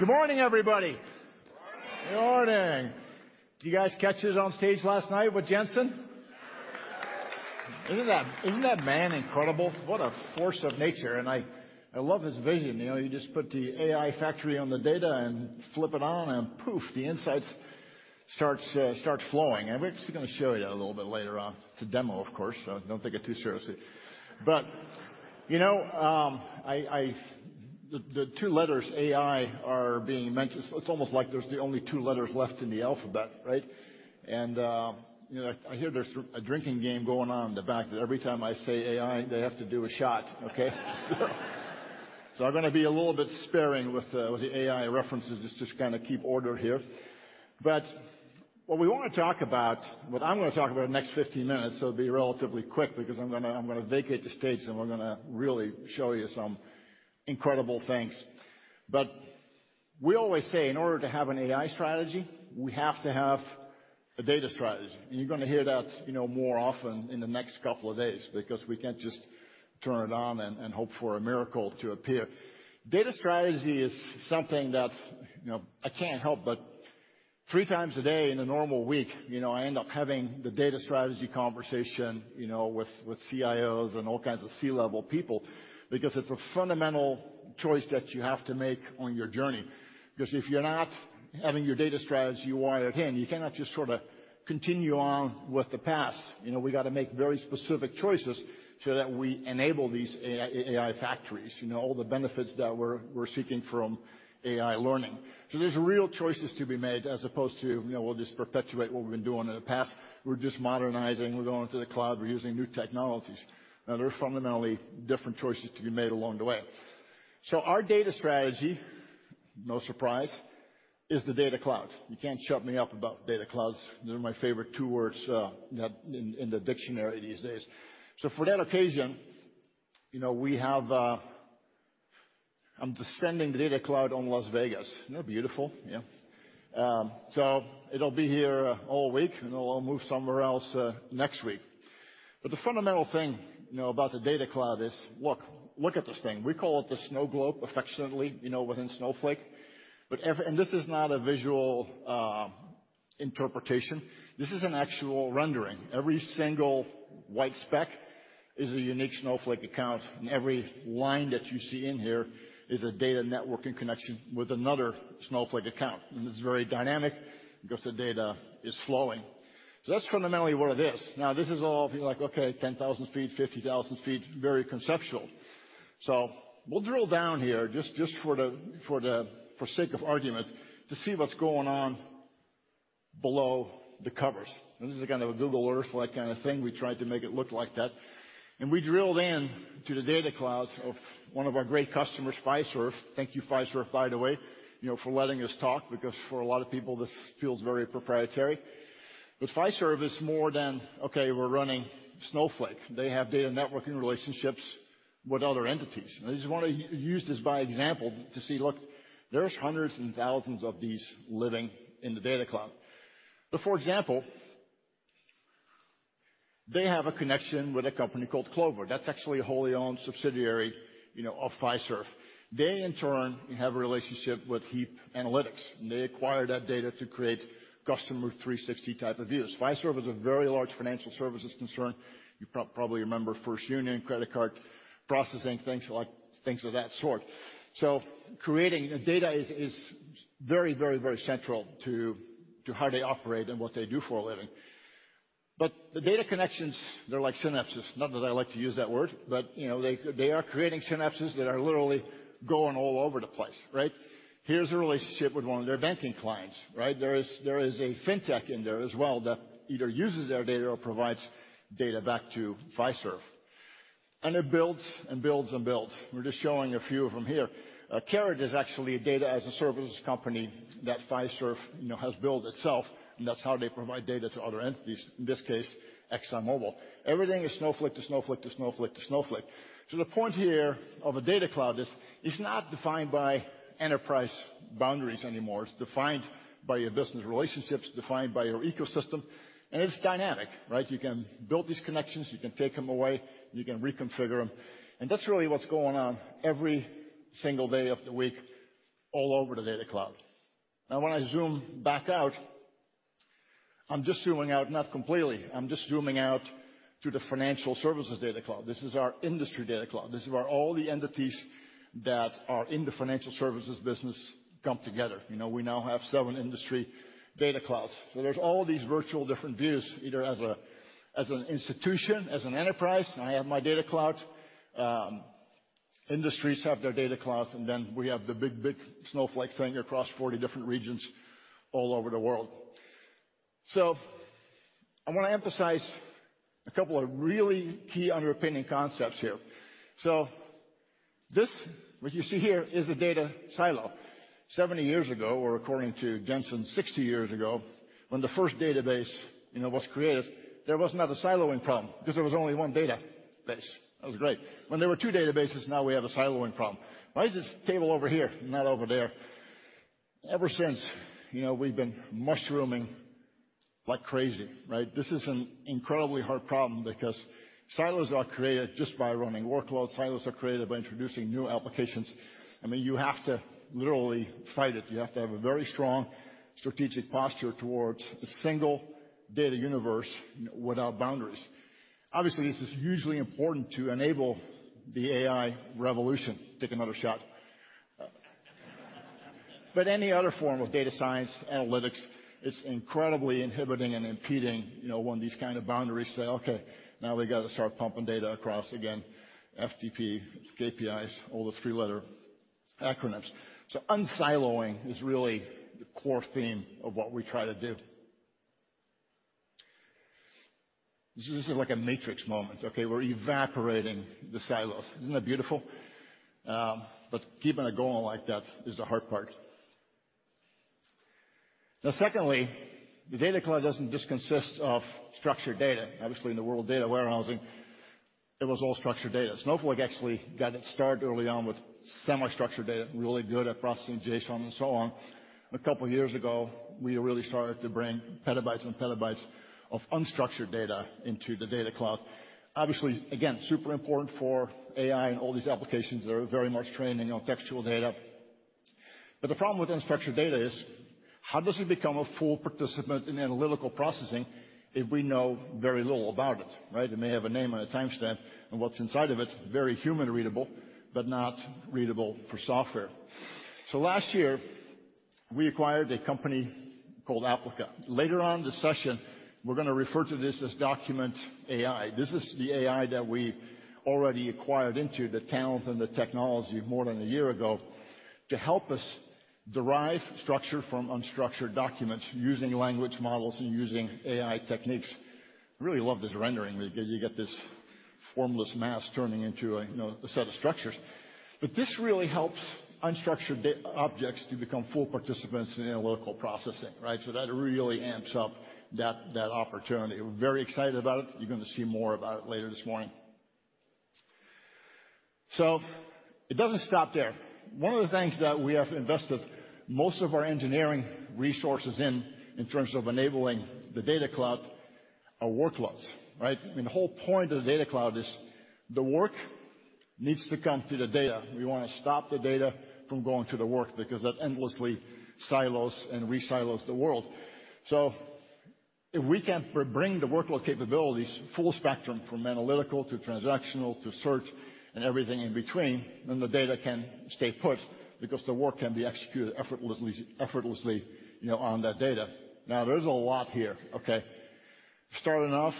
Good morning, everybody. Good morning! Good morning. Did you guys catch it on stage last night with Jensen? Isn't that man incredible? What a force of nature. I love his vision. You know, you just put the AI factory on the data, flip it on, and poof, the insights start flowing. We're actually gonna show you that a little bit later on. It's a demo, of course. Don't take it too seriously. You know, I The two letters AI are being mentioned. It's almost like there's the only two letters left in the alphabet, right? You know, I hear there's a drinking game going on in the back, that every time I say AI, they have to do a shot, okay? I'm gonna be a little bit sparing with the AI references, just to kind of keep order here. What we want to talk about, what I'm gonna talk about the next 15 minutes, so it'll be relatively quick because I'm gonna, I'm gonna vacate the stage, and we're gonna really show you some incredible things. We always say, in order to have an AI strategy, we have to have a data strategy. You're gonna hear that, you know, more often in the next couple of days, because we can't just turn it on and hope for a miracle to appear. Data strategy is something that, you know, I can't help, but three times a day in a normal week, you know, I end up having the data strategy conversation, you know, with CIOs and all kinds of C-level people, because it's a fundamental choice that you have to make on your journey. Because if you're not having your data strategy wired in, you cannot just sort of continue on with the past. You know, we got to make very specific choices so that we enable these AI factories, you know, all the benefits that we're seeking from AI learning. There's real choices to be made as opposed to, you know, we'll just perpetuate what we've been doing in the past. We're just modernizing, we're going to the cloud, we're using new technologies. Now, there are fundamentally different choices to be made along the way. Our data strategy, no surprise, is the Data Cloud. You can't shut me up about Data Clouds. They're my favorite two words, in the dictionary these days. For that occasion, you know, we have, I'm descending Data Cloud on Las Vegas. Isn't that beautiful? Yeah. It'll be here, all week, and it'll move somewhere else, next week. The fundamental thing, you know, about the Data Cloud is, look at this thing. We call it the snow globe, affectionately, you know, within Snowflake. And this is not a visual, interpretation. This is an actual rendering. Every single white speck is a unique Snowflake account, and every line that you see in here is a data networking connection with another Snowflake account. This is very dynamic because the data is flowing. That's fundamentally what it is. Now, this is all like, okay, 10,000 feet, 50,000 feet, very conceptual. We'll drill down here just for the sake of argument, to see what's going on below the covers. This is a kind of a Google Earth-like kind of thing. We tried to make it look like that. We drilled into the Data Cloud of one of our great customers, Fiserv. Thank you, Fiserv, by the way, you know, for letting us talk, because for a lot of people, this feels very proprietary. Fiserv is more than, "Okay, we're running Snowflake." They have data networking relationships with other entities. I just want to use this by example to see, look, there's hundreds and thousands of these living in the Data Cloud. For example, they have a connection with a company called Clover. That's actually a wholly owned subsidiary, you know, of Fiserv. They, in turn, have a relationship with Heap, and they acquire that data to create customer 360 type of views. Fiserv is a very large financial services concern. You probably remember First Union, credit card processing things, a lot things of that sort. Creating data is very, very, very central to how they operate and what they do for a living. The data connections, they're like synapses. Not that I like to use that word, but, you know, they are creating synapses that are literally going all over the place, right? Here's a relationship with one of their banking clients, right? There is a fintech in there as well, that either uses their data or provides data back to Fiserv. It builds, and builds, and builds. We're just showing a few of them here. Carat is actually a data as a service company that Fiserv, you know, has built itself, and that's how they provide data to other entities, in this case, ExxonMobil. Everything is Snowflake, to Snowflake, to Snowflake, to Snowflake. The point here of a Data Cloud is, it's not defined by enterprise boundaries anymore. It's defined by your business relationships, defined by your ecosystem, and it's dynamic, right? You can build these connections, you can take them away, you can reconfigure them. That's really what's going on every single day of the week, all over the Data Cloud. When I zoom back out, I'm just zooming out, not completely, I'm just zooming out to the financial services Data Cloud. This is our industry Data Cloud. This is where all the entities that are in the financial services business come together. You know, we now have seven industry Data Clouds, so there's all these virtual different views, either as a, as an institution, as an enterprise, I have my Data Cloud. Industries have their Data Cloud, and then we have the big, big Snowflake thing across 40 different regions all over the world. I want to emphasize a couple of really key underpinning concepts here. This, what you see here is a data silo. 70 years ago, or according to Jensen, 60 years ago, when the first database, you know, was created, there was not a siloing problem because there was only one database. That was great. When there were two databases, now we have a siloing problem. Why is this table over here and not over there? Ever since, you know, we've been mushrooming like crazy, right? This is an incredibly hard problem, because silos are created just by running workloads. Silos are created by introducing new applications. I mean, you have to literally fight it. You have to have a very strong strategic posture towards a single data universe without boundaries. Obviously, this is hugely important to enable the AI revolution. Take another shot. Any other form of data science, analytics, it's incredibly inhibiting and impeding, you know, when these kind of boundaries say, "Okay, now we got to start pumping data across again, FTP, KPIs, all the three-letter acronyms." Unsiloing is really the core theme of what we try to do. This is like a matrix moment, okay? We're evaporating the silos. Isn't that beautiful? Keeping it going like that is the hard part. Secondly, the Data Cloud doesn't just consist of structured data. Obviously, in the world of data warehousing, it was all structured data. Snowflake actually got its start early on with semi-structured data, really good at processing JSON and so on. two years ago, we really started to bring petabytes and petabytes of unstructured data into the Data Cloud. Obviously, again, super important for AI and all these applications that are very much training on textual data. The problem with unstructured data is, how does it become a full participant in analytical processing if we know very little about it, right? It may have a name and a timestamp, and what's inside of it, very human readable, but not readable for software. Last year, we acquired a company called Applica. Later on in the session, we're going to refer to this as Document AI. This is the AI that we already acquired into the talent and the technology more than a year ago to help us derive structure from unstructured documents using language models and using AI techniques. I really love this rendering, because you get this formless mass turning into a, you know, a set of structures. This really helps unstructured objects to become full participants in analytical processing, right? That really amps up that opportunity. We're very excited about it. You're going to see more about it later this morning. It doesn't stop there. One of the things that we have invested most of our engineering resources in terms of enabling the Data Cloud, are workloads, right? I mean, the whole point of the Data Cloud is the work needs to come to the data. We want to stop the data from going to the work because that endlessly silos and resilos the world. If we can bring the workload capabilities, full spectrum, from analytical, to transactional, to search and everything in between, then the data can stay put, because the work can be executed effortlessly, you know, on that data. There's a lot here, okay? Starting off,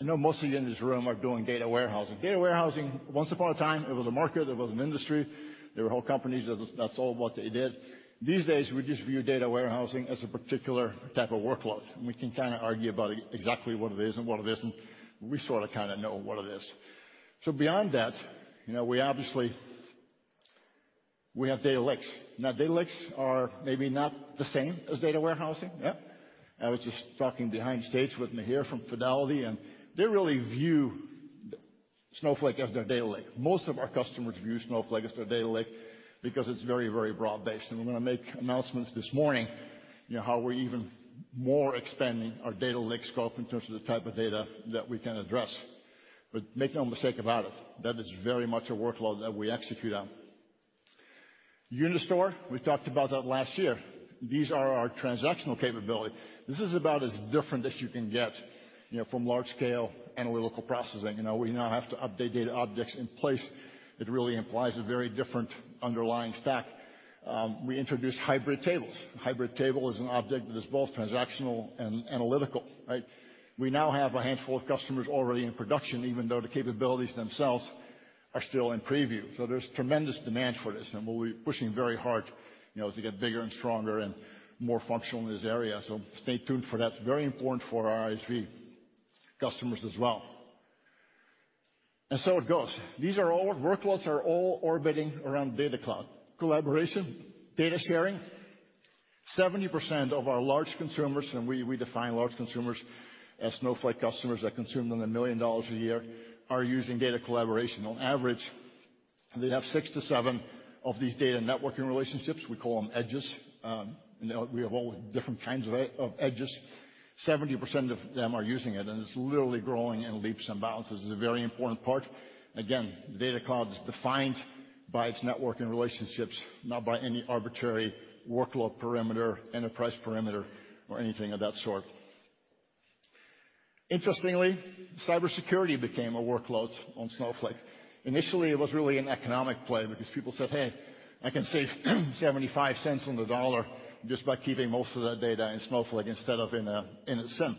I know most of you in this room are doing data warehousing. Data warehousing, once upon a time, it was a market, it was an industry. There were whole companies, that's all what they did. These days, we just view data warehousing as a particular type of workload, and we can kind of argue about exactly what it is and what it isn't. We sort of, kind of know what it is. Beyond that, you know, We have data lakes. Data lakes are maybe not the same as data warehousing, yeah. I was just talking behind stage with Mihir from Fidelity, they really view Snowflake as their data lake. Most of our customers view Snowflake as their data lake because it's very, very broad-based, we're going to make announcements this morning, you know, how we're even more expanding our data lake scope in terms of the type of data that we can address. Make no mistake about it, that is very much a workload that we execute on. Unistore, we talked about that last year. These are our transactional capability. This is about as different as you can get, you know, from large-scale analytical processing. We now have to update data objects in place. It really implies a very different underlying stack. We introduced hybrid tables. A hybrid table is an object that is both transactional and analytical, right? We now have a handful of customers already in production, even though the capabilities themselves are still in preview. There's tremendous demand for this, and we'll be pushing very hard, you know, to get bigger and stronger and more functional in this area. Stay tuned for that. It's very important for our ISV customers as well. It goes. These workloads are all orbiting around Data Cloud. Collaboration, data sharing. 70% of our large consumers, and we define large consumers as Snowflake customers that consume $1 million a year, are using data collaboration. On average, they'd have 6-7 of these data networking relationships. We call them edges. We have all different kinds of edges. 70% of them are using it. It's literally growing in leaps and bounds. This is a very important part. Again, Data Cloud is defined by its networking relationships, not by any arbitrary workload, perimeter, enterprise perimeter, or anything of that sort. Interestingly, cybersecurity became a workload on Snowflake. Initially, it was really an economic play because people said, "Hey, I can save $0.75 on the dollar just by keeping most of that data in Snowflake instead of in a, in a SIEM."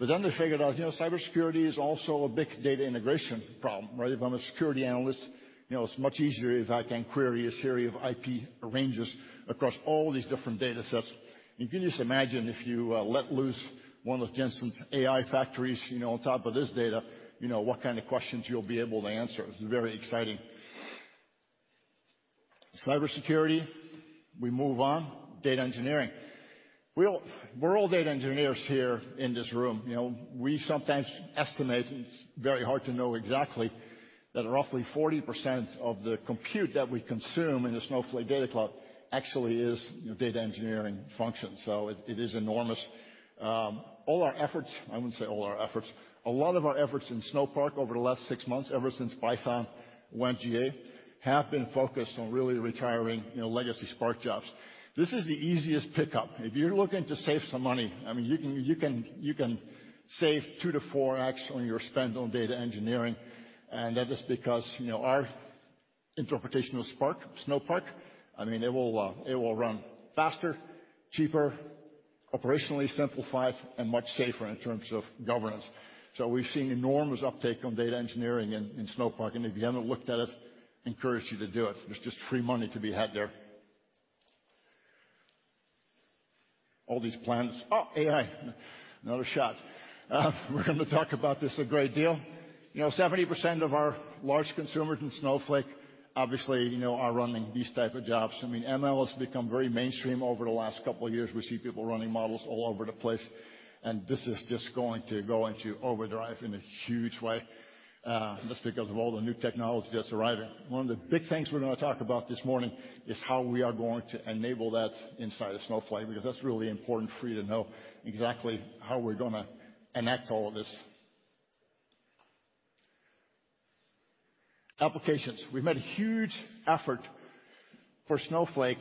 They figured out, you know, cybersecurity is also a big data integration problem, right? If I'm a security analyst, you know, it's much easier if I can query a series of IP ranges across all these different datasets. You can just imagine, if you let loose one of Jensen's AI factories, you know, on top of this data, you know what kind of questions you'll be able to answer. It's very exciting. Cybersecurity, we move on. Data engineering. We're all data engineers here in this room. You know, we sometimes estimate, it's very hard to know exactly, that roughly 40% of the compute that we consume in the Snowflake Data Cloud actually is, you know, data engineering function, so it is enormous. All our efforts, I wouldn't say all our efforts, a lot of our efforts in Snowpark over the last 6 months, ever since Python went GA, have been focused on really retiring, you know, legacy Spark jobs. This is the easiest pickup. If you're looking to save some money, I mean, you can save 2 to 4x on your spend on data engineering. That is because, you know, our interpretation of Spark, Snowpark, I mean, it will run faster, cheaper, operationally simplified, and much safer in terms of governance. We've seen enormous uptake on data engineering in Snowpark. If you haven't looked at it, encourage you to do it. There's just free money to be had there. All these plans. AI, another shot. We're going to talk about this a great deal. You know, 70% of our large consumers in Snowflake, obviously, you know, are running these type of jobs. I mean, ML has become very mainstream over the last couple of years. We see people running models all over the place, and this is just going to go into overdrive in a huge way, just because of all the new technology that's arriving. One of the big things we're gonna talk about this morning is how we are going to enable that inside of Snowflake, because that's really important for you to know exactly how we're gonna enact all of this. Applications. We've made a huge effort for Snowflake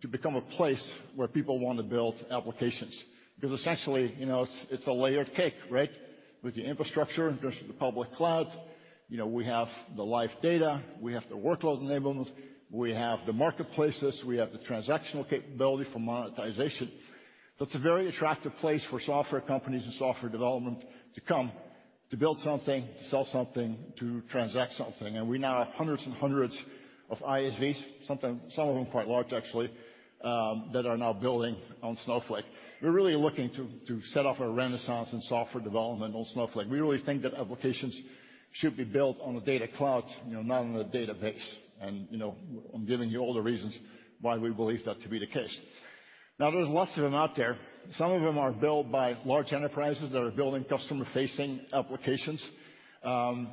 to become a place where people want to build applications, because essentially, you know, it's a layered cake, right? With the infrastructure, the public cloud, you know, we have the live data, we have the workload enablement, we have the marketplaces, we have the transactional capability for monetization. That's a very attractive place for software companies and software development to come, to build something, to sell something, to transact something. We now have hundreds and hundreds of ISVs, sometimes some of them quite large, actually, that are now building on Snowflake. We're really looking to set off a renaissance in software development on Snowflake. We really think that applications should be built on a Data Cloud, you know, not on a database. You know, I'm giving you all the reasons why we believe that to be the case. Now, there's lots of them out there. Some of them are built by large enterprises that are building customer-facing applications. You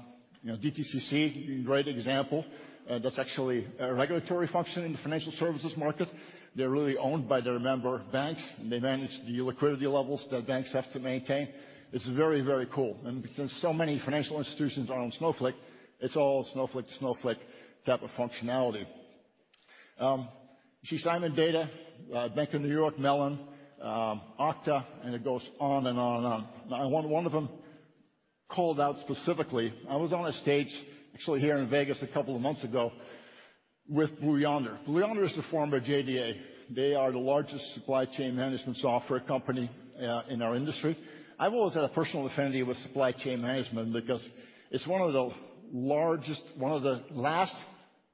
know, DTCC, great example. That's actually a regulatory function in the financial services market. They're really owned by their member banks, and they manage the liquidity levels that banks have to maintain. It's very, very cool. Because so many financial institutions are on Snowflake, it's all Snowflake to Snowflake type of functionality. You see Simon Data, Bank of New York Mellon, Okta, and it goes on and on and on. Now, I want one of them called out specifically. I was on a stage, actually, here in Vegas a couple of months ago with Blue Yonder. Blue Yonder is the former JDA. They are the largest supply chain management software company in our industry. I've always had a personal affinity with supply chain management because it's one of the largest, one of the last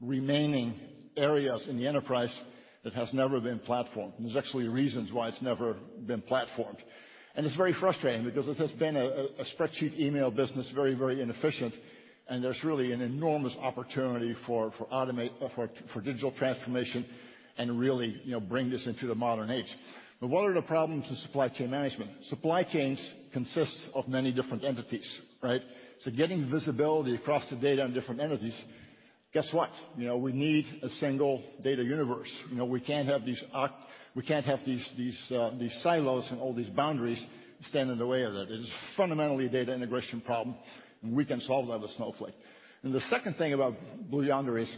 remaining areas in the enterprise that has never been platformed. There's actually reasons why it's never been platformed. It's very frustrating because it has been a spreadsheet, email business, very inefficient, and there's really an enormous opportunity for automate, for digital transformation and really, you know, bring this into the modern age. What are the problems with supply chain management? Supply chains consist of many different entities, right? Getting visibility across the data in different entities, guess what? You know, we need a single data universe. You know, we can't have these silos and all these boundaries stand in the way of that. It is fundamentally a data integration problem, we can solve that with Snowflake. The second thing about Blue Yonder is,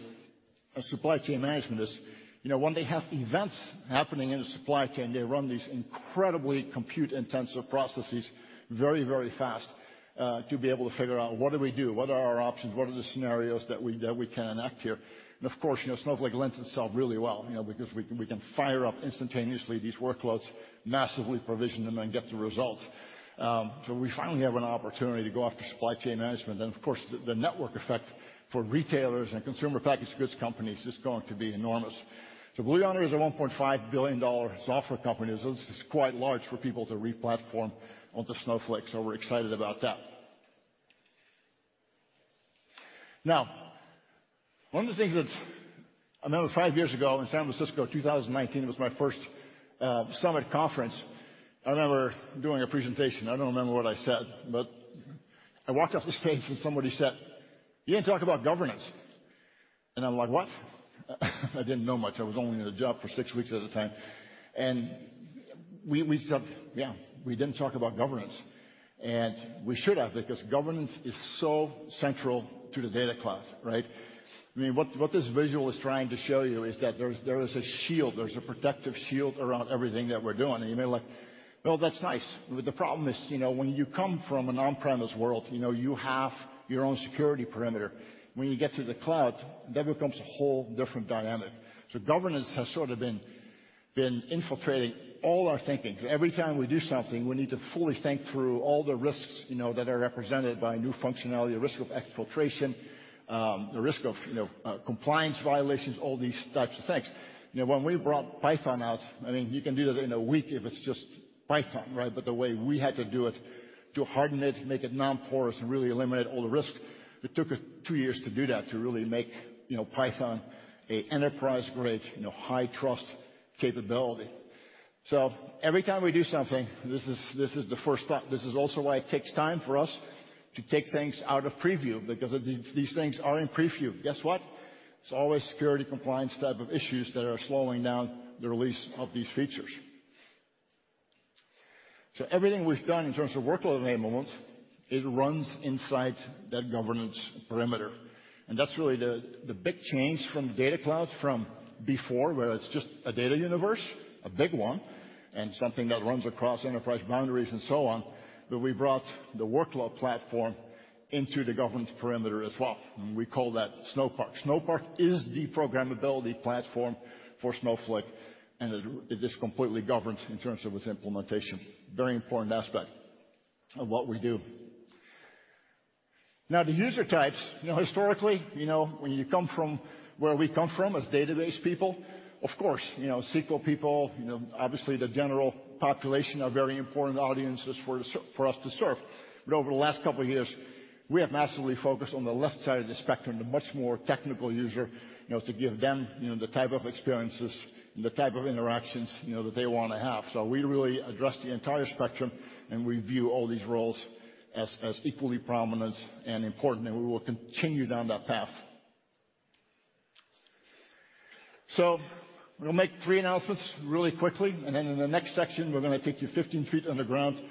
as supply chain management is, you know, when they have events happening in the supply chain, they run these incredibly compute-intensive processes very, very fast to be able to figure out: What do we do? What are our options? What are the scenarios that we can enact here? Of course, you know, Snowflake lends itself really well, you know, because we can fire up instantaneously these workloads, massively provision them, and get the results. We finally have an opportunity to go after supply chain management. Of course, the network effect for retailers and consumer packaged goods companies is going to be enormous. Blue Yonder is a $1.5 billion software company. This is quite large for people to re-platform onto Snowflake. We're excited about that. Now, one of the things that's I remember five years ago in San Francisco, 2019, it was my first Summit conference. I remember doing a presentation. I don't remember what I said, but I walked off the stage and somebody said, "You didn't talk about governance." I'm like, "What?" I didn't know much. I was only in the job for 6 weeks at the time. We just stopped. Yeah, we didn't talk about governance, and we should have, because governance is so central to the Data Cloud, right? I mean, what this visual is trying to show you is that there is a shield, there's a protective shield around everything that we're doing. You may like, "Well, that's nice." The problem is, you know, when you come from an on-premise world, you know, you have your own security perimeter. Governance has sort of been infiltrating all our thinking. Every time we do something, we need to fully think through all the risks, you know, that are represented by new functionality, the risk of exfiltration, the risk of, you know, compliance violations, all these types of things. You know, when we brought Python out, I mean, you can do that in a week if it's just Python, right? The way we had to do it, to harden it, make it non-porous, and really eliminate all the risk, it took us two years to do that, to really make, you know, Python an enterprise-grade, you know, high trust capability. Every time we do something, this is the first time. This is also why it takes time for us to take things out of preview, because these things are in preview. Guess what? It's always security compliance type of issues that are slowing down the release of these features. Everything we've done in terms of workload enablement, it runs inside that governance perimeter. That's really the big change from Data Cloud from before, where it's just a data universe, a big one, and something that runs across enterprise boundaries and so on. We brought the workload platform into the governance perimeter as well, and we call that Snowpark. Snowpark is the programmability platform for Snowflake, and it is completely governed in terms of its implementation. Very important aspect of what we do. The user types, you know, historically, you know, when you come from where we come from, as database people, of course, you know, SQL people, you know, obviously the general population are very important audiences for us to serve. Over the last couple of years, we have massively focused on the left side of the spectrum, the much more technical user, you know, to give them, you know, the type of experiences and the type of interactions, you know, that they want to have. We really address the entire spectrum, and we view all these roles as equally prominent and important, and we will continue down that path. We'll make three announcements really quickly, and then in the next section, we're going to take you 15 feet underground,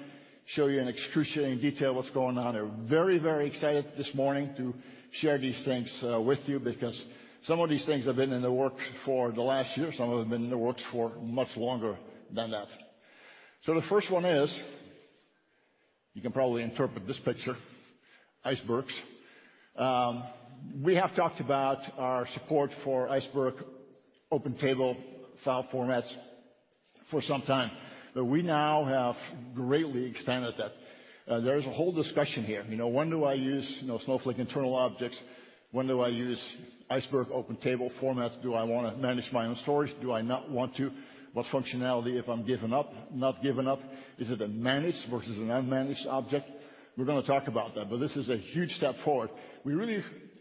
show you in excruciating detail what's going on there. Very, very excited this morning to share these things with you, because some of these things have been in the works for the last year. Some of them have been in the works for much longer than that. The first one is... You can probably interpret this picture, icebergs. We have talked about our support for Iceberg open table file formats for some time. We now have greatly expanded that. There is a whole discussion here. You know, when do I use, you know, Snowflake internal objects? When do I use Iceberg open table formats? Do I want to manage my own storage? Do I not want to? What functionality, if I'm giving up, not giving up? Is it a managed versus an unmanaged object? We're going to talk about that. This is a huge step forward.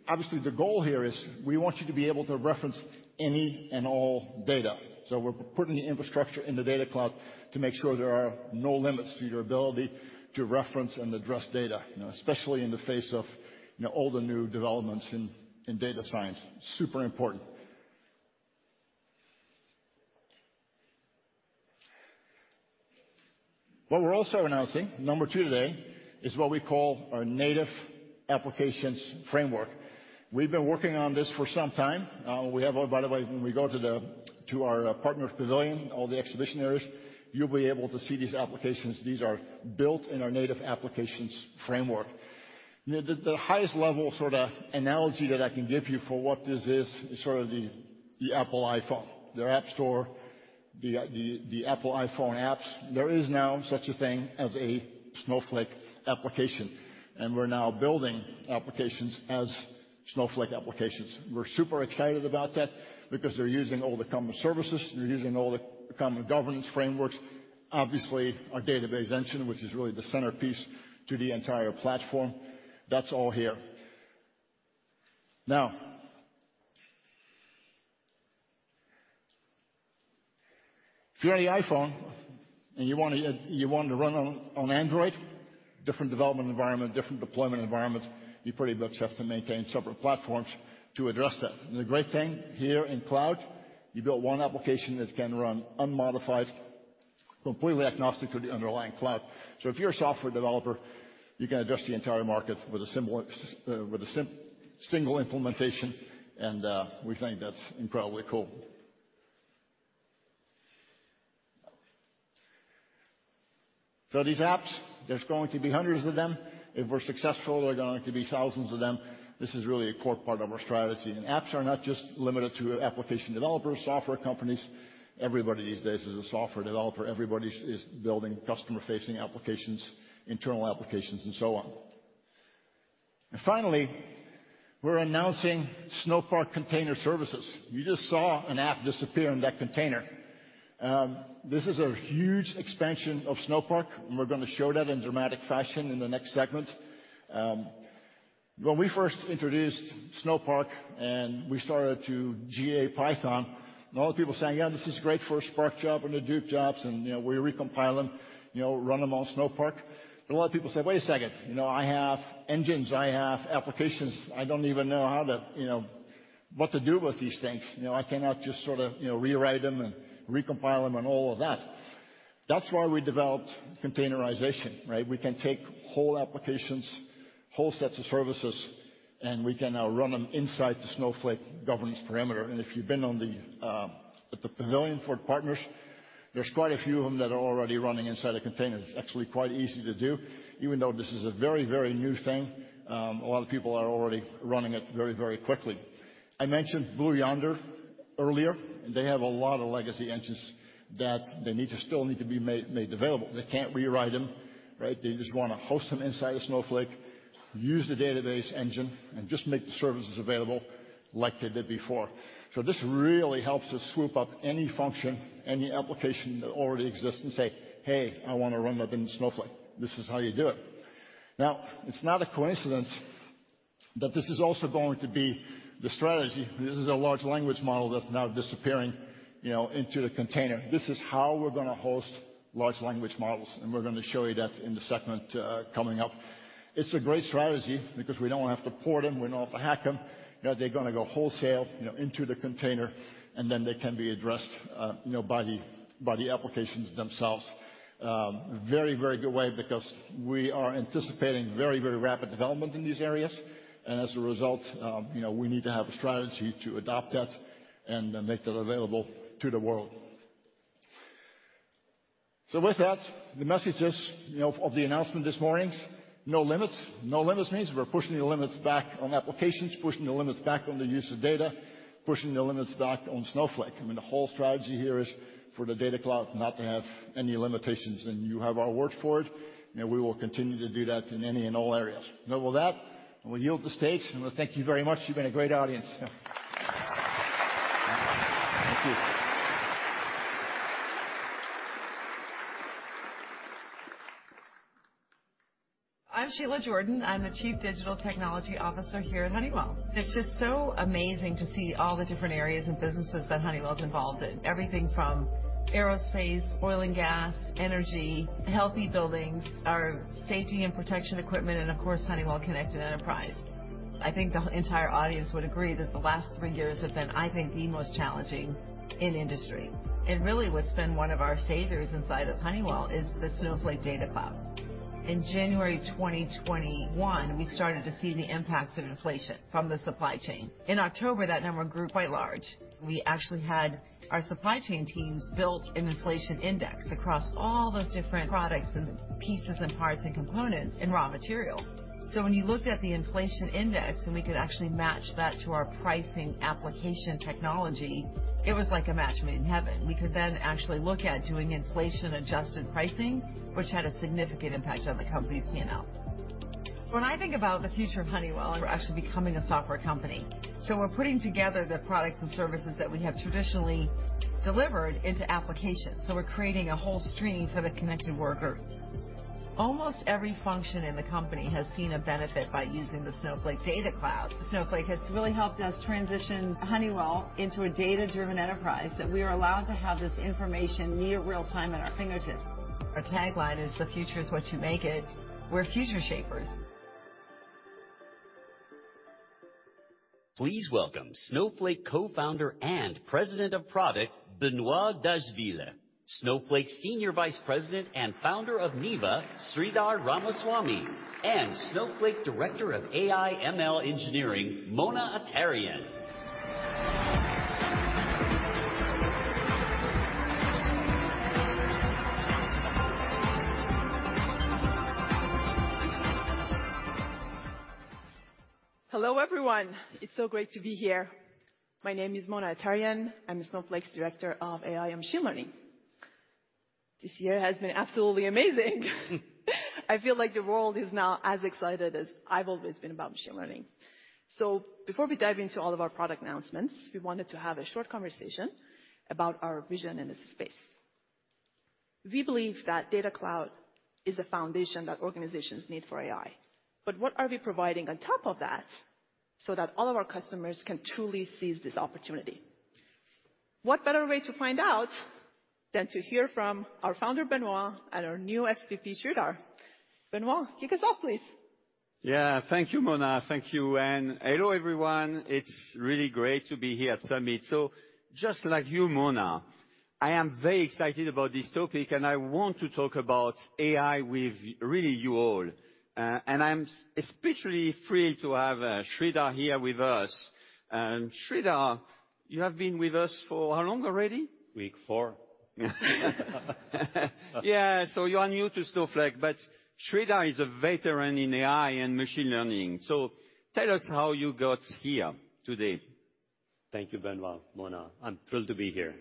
Obviously, the goal here is we want you to be able to reference any and all data. We're putting the infrastructure in the Data Cloud to make sure there are no limits to your ability to reference and address data, you know, especially in the face of, you know, all the new developments in data science. Super important. What we're also announcing, number two today, is what we call our Native Applications Framework. We've been working on this for some time. By the way, when we go to our partners pavilion, all the exhibition areas, you'll be able to see these applications. These are built in our Native Applications Framework. The highest level sort of analogy that I can give you for what this is sort of the Apple iPhone, their App Store, the Apple iPhone apps. There is now such a thing as a Snowflake application. We're now building applications as Snowflake applications. We're super excited about that because they're using all the common services, they're using all the common governance frameworks. Obviously, our database engine, which is really the centerpiece to the entire platform, that's all here. If you have an iPhone and you want to run on Android, different development environment, different deployment environment, you pretty much have to maintain separate platforms to address that. The great thing here in cloud, you build one application that can run unmodified, completely agnostic to the underlying cloud. If you're a software developer, you can address the entire market with a similar single implementation, and we think that's incredibly cool. These apps, there's going to be hundreds of them. If we're successful, there are going to be thousands of them. This is really a core part of our strategy. Apps are not just limited to application developers, software companies. Everybody these days is a software developer. Everybody is building customer-facing applications, internal applications, and so on. Finally, we're announcing Snowpark Container Services. You just saw an app disappear in that container. This is a huge expansion of Snowpark, and we're going to show that in dramatic fashion in the next segment. When we first introduced Snowpark, and we started to GA Python, a lot of people saying, "Yeah, this is great for a spark job and the Hadoop jobs, and, you know, we recompile them, you know, run them on Snowpark." A lot of people said, "Wait a second, you know, I have engines. I have applications. I don't even know how to, you know, what to do with these things. You know, I cannot just sort of, you know, rewrite them and recompile them and all of that." That's why we developed containerization, right? We can take whole applications, whole sets of services, and we can now run them inside the Snowflake governance parameter. If you've been on the, at the pavilion for partners, there's quite a few of them that are already running inside a container. It's actually quite easy to do. Though this is a very, very new thing, a lot of people are already running it very, very quickly. I mentioned Blue Yonder earlier, and they have a lot of legacy engines that they still need to be made available. They can't rewrite them, right? They just want to host them inside of Snowflake, use the database engine, and just make the services available like they did before. This really helps us swoop up any function, any application that already exists and say, "Hey, I want to run that in Snowflake." This is how you do it. It's not a coincidence- This is also going to be the strategy. This is a large language model that's now disappearing, you know, into the container. This is how we're going to host large language models, and we're going to show you that in the segment coming up. It's a great strategy because we don't have to port them, we don't have to hack them. You know, they're gonna go wholesale, you know, into the container, and then they can be addressed, you know, by the applications themselves. Very, very good way because we are anticipating very, very rapid development in these areas, and as a result, you know, we need to have a strategy to adopt that and then make that available to the world. With that, the messages, you know, of the announcement this morning, no limits. No limits means we're pushing the limits back on applications, pushing the limits back on the use of data, pushing the limits back on Snowflake. I mean, the whole strategy here is for the Data Cloud not to have any limitations, and you have our word for it, and we will continue to do that in any and all areas. With that, I will yield the stage, and thank you very much. You've been a great audience. Thank you. I'm Sheila Jordan. I'm the Chief Digital Technology Officer here at Honeywell. It's just so amazing to see all the different areas and businesses that Honeywell is involved in. Everything from aerospace, oil and gas, energy, healthy buildings, our safety and protection equipment, of course, Honeywell Connected Enterprise. I think the entire audience would agree that the last three years have been, I think, the most challenging in industry. Really what's been one of our saviors inside of Honeywell is the Snowflake Data Cloud. In January 2021, we started to see the impacts of inflation from the supply chain. In October, that number grew quite large. We actually had our supply chain teams build an inflation index across all those different products and pieces and parts and components and raw material. When you looked at the inflation index, and we could actually match that to our pricing application technology, it was like a match made in heaven. We could actually look at doing inflation-adjusted pricing, which had a significant impact on the company's PNL. When I think about the future of Honeywell, we're actually becoming a software company, we're putting together the products and services that we have traditionally delivered into applications. We're creating a whole stream for the connected worker. Almost every function in the company has seen a benefit by using the Snowflake Data Cloud. Snowflake has really helped us transition Honeywell into a data-driven enterprise, that we are allowed to have this information near real time at our fingertips. Our tagline is, "The future is what you make it." We're future shapers. Please welcome Snowflake Co-founder and President of Product, Benoit Dageville, Snowflake Senior Vice President and founder of Neeva, Sridhar Ramaswamy, and Snowflake Director of AI/ML Engineering, Mona Attariyan. Hello, everyone. It's so great to be here. My name is Mona Attariyan. I'm Snowflake's Director of AI and Machine Learning. This year has been absolutely amazing. I feel like the world is now as excited as I've always been about machine learning. Before we dive into all of our product announcements, we wanted to have a short conversation about our vision in this space. We believe that Data Cloud is a foundation that organizations need for AI, but what are we providing on top of that so that all of our customers can truly seize this opportunity? What better way to find out than to hear from our founder, Benoit, and our new SVP, Sridhar. Benoit, kick us off, please. Yeah. Thank you, Mona. Thank you, and hello, everyone. It's really great to be here at Summit. Just like you, Mona, I am very excited about this topic, and I want to talk about AI with, really, you all. I'm especially thrilled to have Sridhar here with us. Sridhar, you have been with us for how long already? Week four. Yeah, you are new to Snowflake, but Sridhar is a veteran in AI and machine learning. Tell us how you got here today? Thank you, Benoit, Mona. I'm thrilled to be here.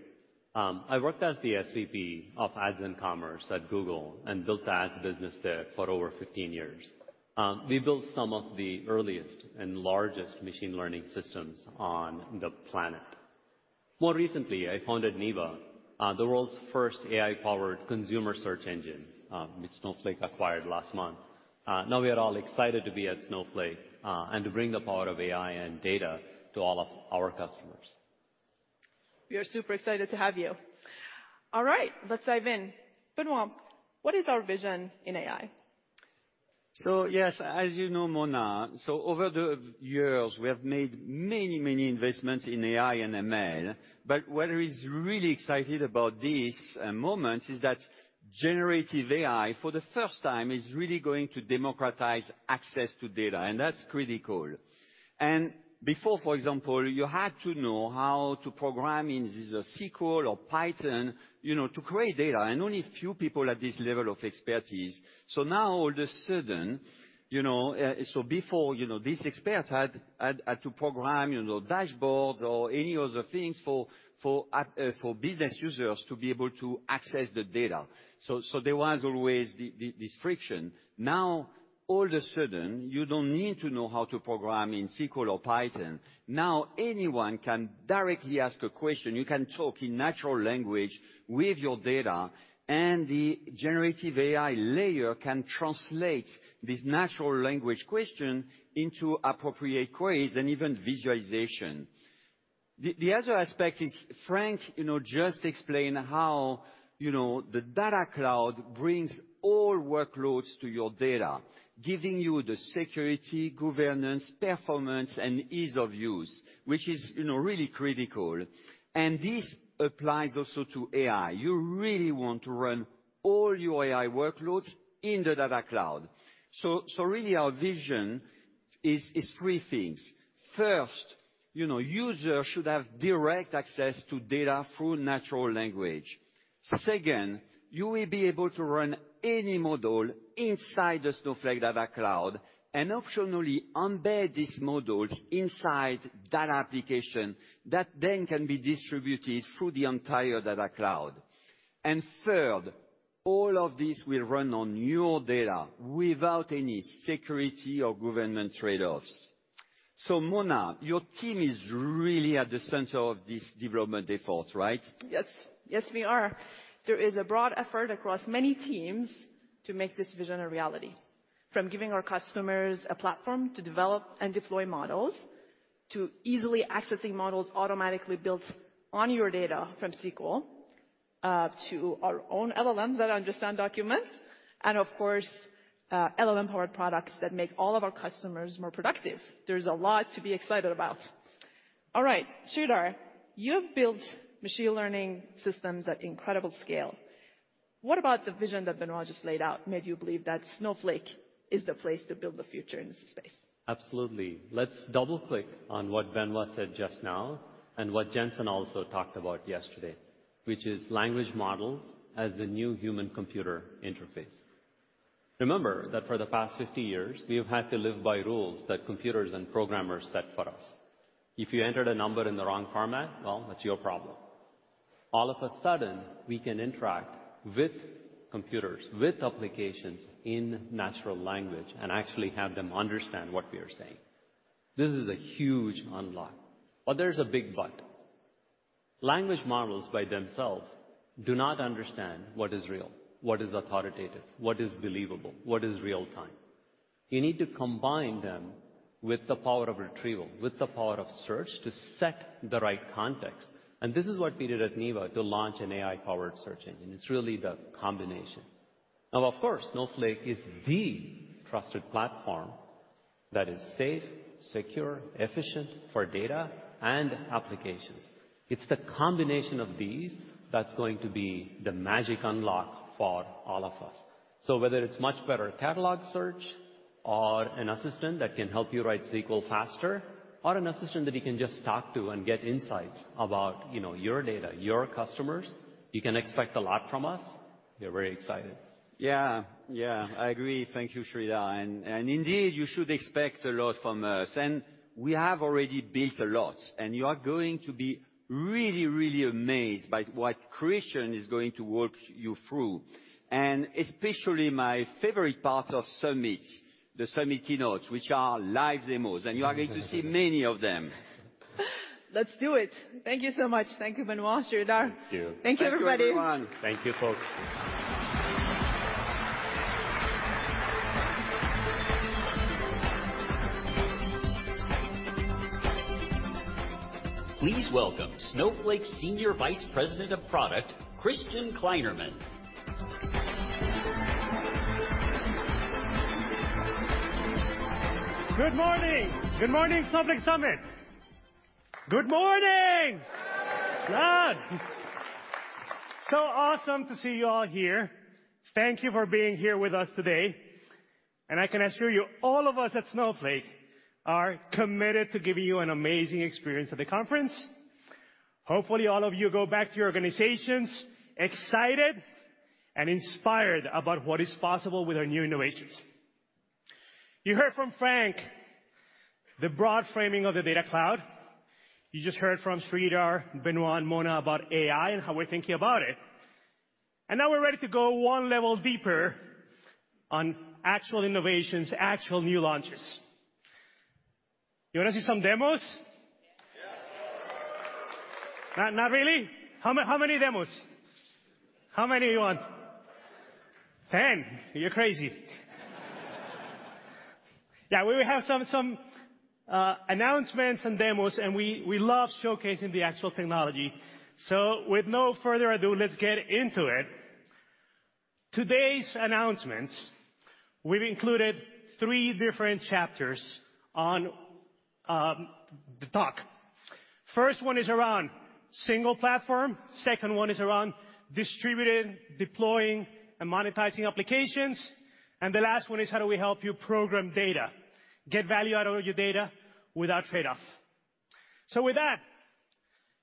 I worked as the SVP of Ads and Commerce at Google and built the ads business there for over 15 years. We built some of the earliest and largest machine learning systems on the planet. More recently, I founded Neeva, the world's first AI-powered consumer search engine, which Snowflake acquired last month. Now we are all excited to be at Snowflake and to bring the power of AI and data to all of our customers. We are super excited to have you. Let's dive in. Benoit, what is our vision in AI? Yes, as you know, Mona, so over the years, we have made many, many investments in AI and ML, but what is really exciting about this moment is that generative AI, for the first time, is really going to democratize access to data, and that's critical. Before, for example, you had to know how to program in either SQL or Python, you know, to create data, and only a few people had this level of expertise. Now, all of a sudden, you know, So before, you know, these experts had to program, you know, dashboards or any other things for business users to be able to access the data. There was always this friction. Now, all of a sudden, you don't need to know how to program in SQL or Python. Anyone can directly ask a question. You can talk in natural language with your data, and the Generative AI layer can translate this natural language question into appropriate queries and even visualization. The other aspect is Frank, you know, just explained how, you know, the Data Cloud brings all workloads to your data, giving you the security, governance, performance, and ease of use, which is, you know, really critical. This applies also to AI. You really want to run all your AI workloads in the Data Cloud. Really our vision is three things: First, you know, users should have direct access to data through natural language. Second, you will be able to run any model inside the Snowflake Data Cloud and optionally embed these models inside data application, that then can be distributed through the entire Data Cloud. Third, all of this will run on your data without any security or governance trade-offs. Mona, your team is really at the center of this development effort, right? Yes. Yes, we are. There is a broad effort across many teams to make this vision a reality. From giving our customers a platform to develop and deploy models, to easily accessing models automatically built on your data from SQL, to our own LLMs that understand documents, and of course, LLM-powered products that make all of our customers more productive. There's a lot to be excited about. All right, Sridhar, you have built machine learning systems at incredible scale. What about the vision that Benoit just laid out made you believe that Snowflake is the place to build the future in this space? Absolutely. Let's double-click on what Benoit said just now, and what Jensen also talked about yesterday, which is language models as the new human-computer interface. Remember that for the past 50 years, we have had to live by rules that computers and programmers set for us. If you entered a number in the wrong format, well, that's your problem. All of a sudden, we can interact with computers, with applications in natural language, and actually have them understand what we are saying. This is a huge unlock, but there's a big but. Language models by themselves do not understand what is real, what is authoritative, what is believable, what is real-time. You need to combine them with the power of retrieval, with the power of search, to set the right context. This is what we did at Neeva to launch an AI-powered search engine. It's really the combination. Now, of course, Snowflake is the trusted platform that is safe, secure, efficient for data and applications. It's the combination of these that's going to be the magic unlock for all of us. Whether it's much better catalog search, or an assistant that can help you write SQL faster, or an assistant that you can just talk to and get insights about, you know, your data, your customers, you can expect a lot from us. We're very excited. Yeah. Yeah, I agree. Thank you, Sridhar. Indeed, you should expect a lot from us, and we have already built a lot, and you are going to be really amazed by what Christian is going to walk you through, and especially my favorite part of Summit, the Summit keynotes, which are live demos, and you are going to see many of them. Let's do it. Thank you so much. Thank you, Benoit, Sridhar. Thank you. Thank you, everybody. Thank you, everyone. Thank you, folks. Please welcome Snowflake's Senior Vice President of Product, Christian Kleinerman. Good morning. Good morning, Snowflake Summit. Good morning. Good. Awesome to see you all here. Thank you for being here with us today, and I can assure you, all of us at Snowflake are committed to giving you an amazing experience at the conference. Hopefully, all of you go back to your organizations excited and inspired about what is possible with our new innovations. You heard from Frank, the broad framing of the Data Cloud. You just heard from Sridhar, Benoit, and Mona about AI and how we're thinking about it. Now we're ready to go one level deeper on actual innovations, actual new launches. You wanna see some demos? Yeah! Not really? How many demos? How many you want? 10? You're crazy. We will have some announcements and demos, and we love showcasing the actual technology. With no further ado, let's get into it. Today's announcements, we've included three different chapters on the talk. First one is around single platform, second one is around distributed, deploying, and monetizing applications, and the last one is, how do we help you program data, get value out of your data without trade-off? With that,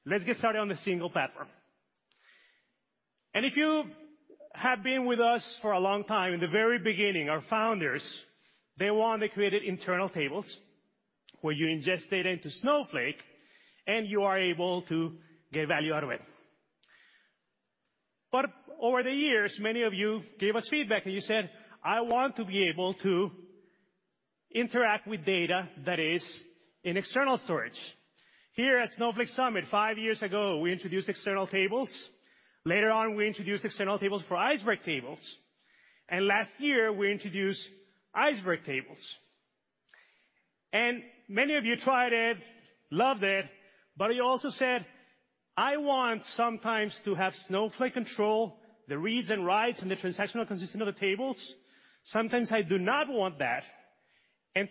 let's get started on the single platform. If you have been with us for a long time, in the very beginning, our founders, they wanted to create internal tables where you ingest data into Snowflake, and you are able to get value out of it. Over the years, many of you gave us feedback, and you said, "I want to be able to interact with data that is in external storage." Here at Snowflake Summit, five years ago, we introduced external tables. Later on, we introduced external tables for Iceberg tables. Last year, we introduced Iceberg tables. Many of you tried it, loved it, but you also said, "I want sometimes to have Snowflake control the reads and writes and the transactional consistency of the tables. Sometimes I do not want that."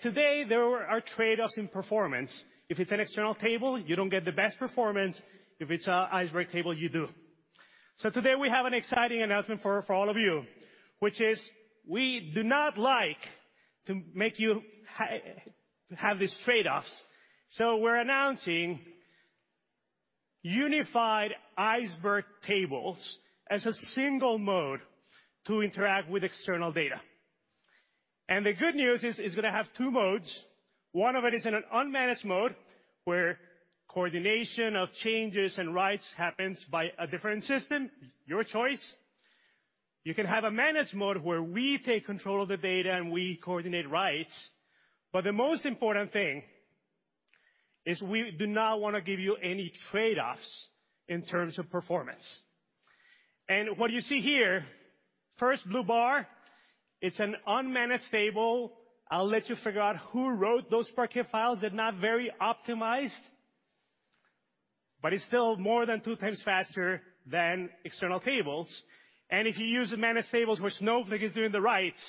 Today, there are trade-offs in performance. If it's an external table, you don't get the best performance. If it's a Iceberg table, you do. Today, we have an exciting announcement for all of you, which is we do not like to make you have these trade-offs. We're announcing unified Iceberg tables as a single mode to interact with external data. The good news is it's gonna have two modes. One of it is in an unmanaged mode, where coordination of changes and writes happens by a different system, your choice. You can have a managed mode, where we take control of the data, and we coordinate writes. The most important thing is we do not wanna give you any trade-offs in terms of performance. What you see here, first blue bar, it's an unmanaged table. I'll let you figure out who wrote those Parquet files. They're not very optimized, but it's still more than two times faster than external tables. If you use the managed tables, where Snowflake is doing the writes,